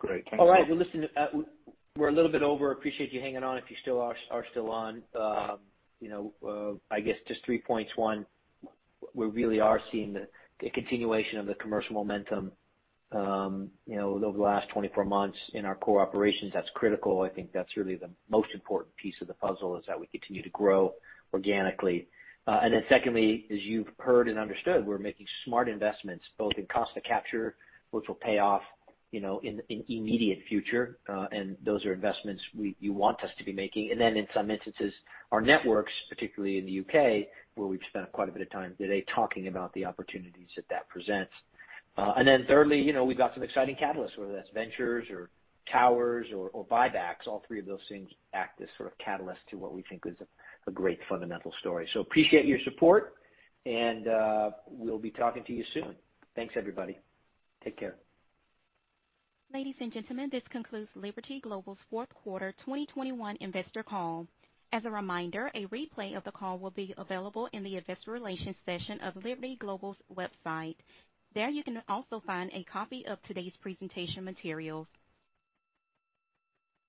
Great. All right. Well, listen, we're a little bit over. Appreciate you hanging on if you are still on. You know, I guess just three points. One, we really are seeing the continuation of the commercial momentum over the last 24 months in our core operations. That's critical. I think that's really the most important piece of the puzzle, is that we continue to grow organically. Secondly, as you've heard and understood, we're making smart investments both in cost to capture, which will pay off, you know, in the immediate future. And those are investments you want us to be making. In some instances, our networks, particularly in the U.K., where we've spent quite a bit of time today talking about the opportunities that that presents. And then thirdly, you know, we've got some exciting catalysts, whether that's ventures or towers or buybacks. All three of those things act as sort of catalysts to what we think is a great fundamental story. Appreciate your support and we'll be talking to you soon. Thanks, everybody. Take care. Ladies and gentlemen, this concludes Liberty Global's fourth quarter 2021 investor call. As a reminder, a replay of the call will be available in the investor relations section of Liberty Global's website. There you can also find a copy of today's presentation materials.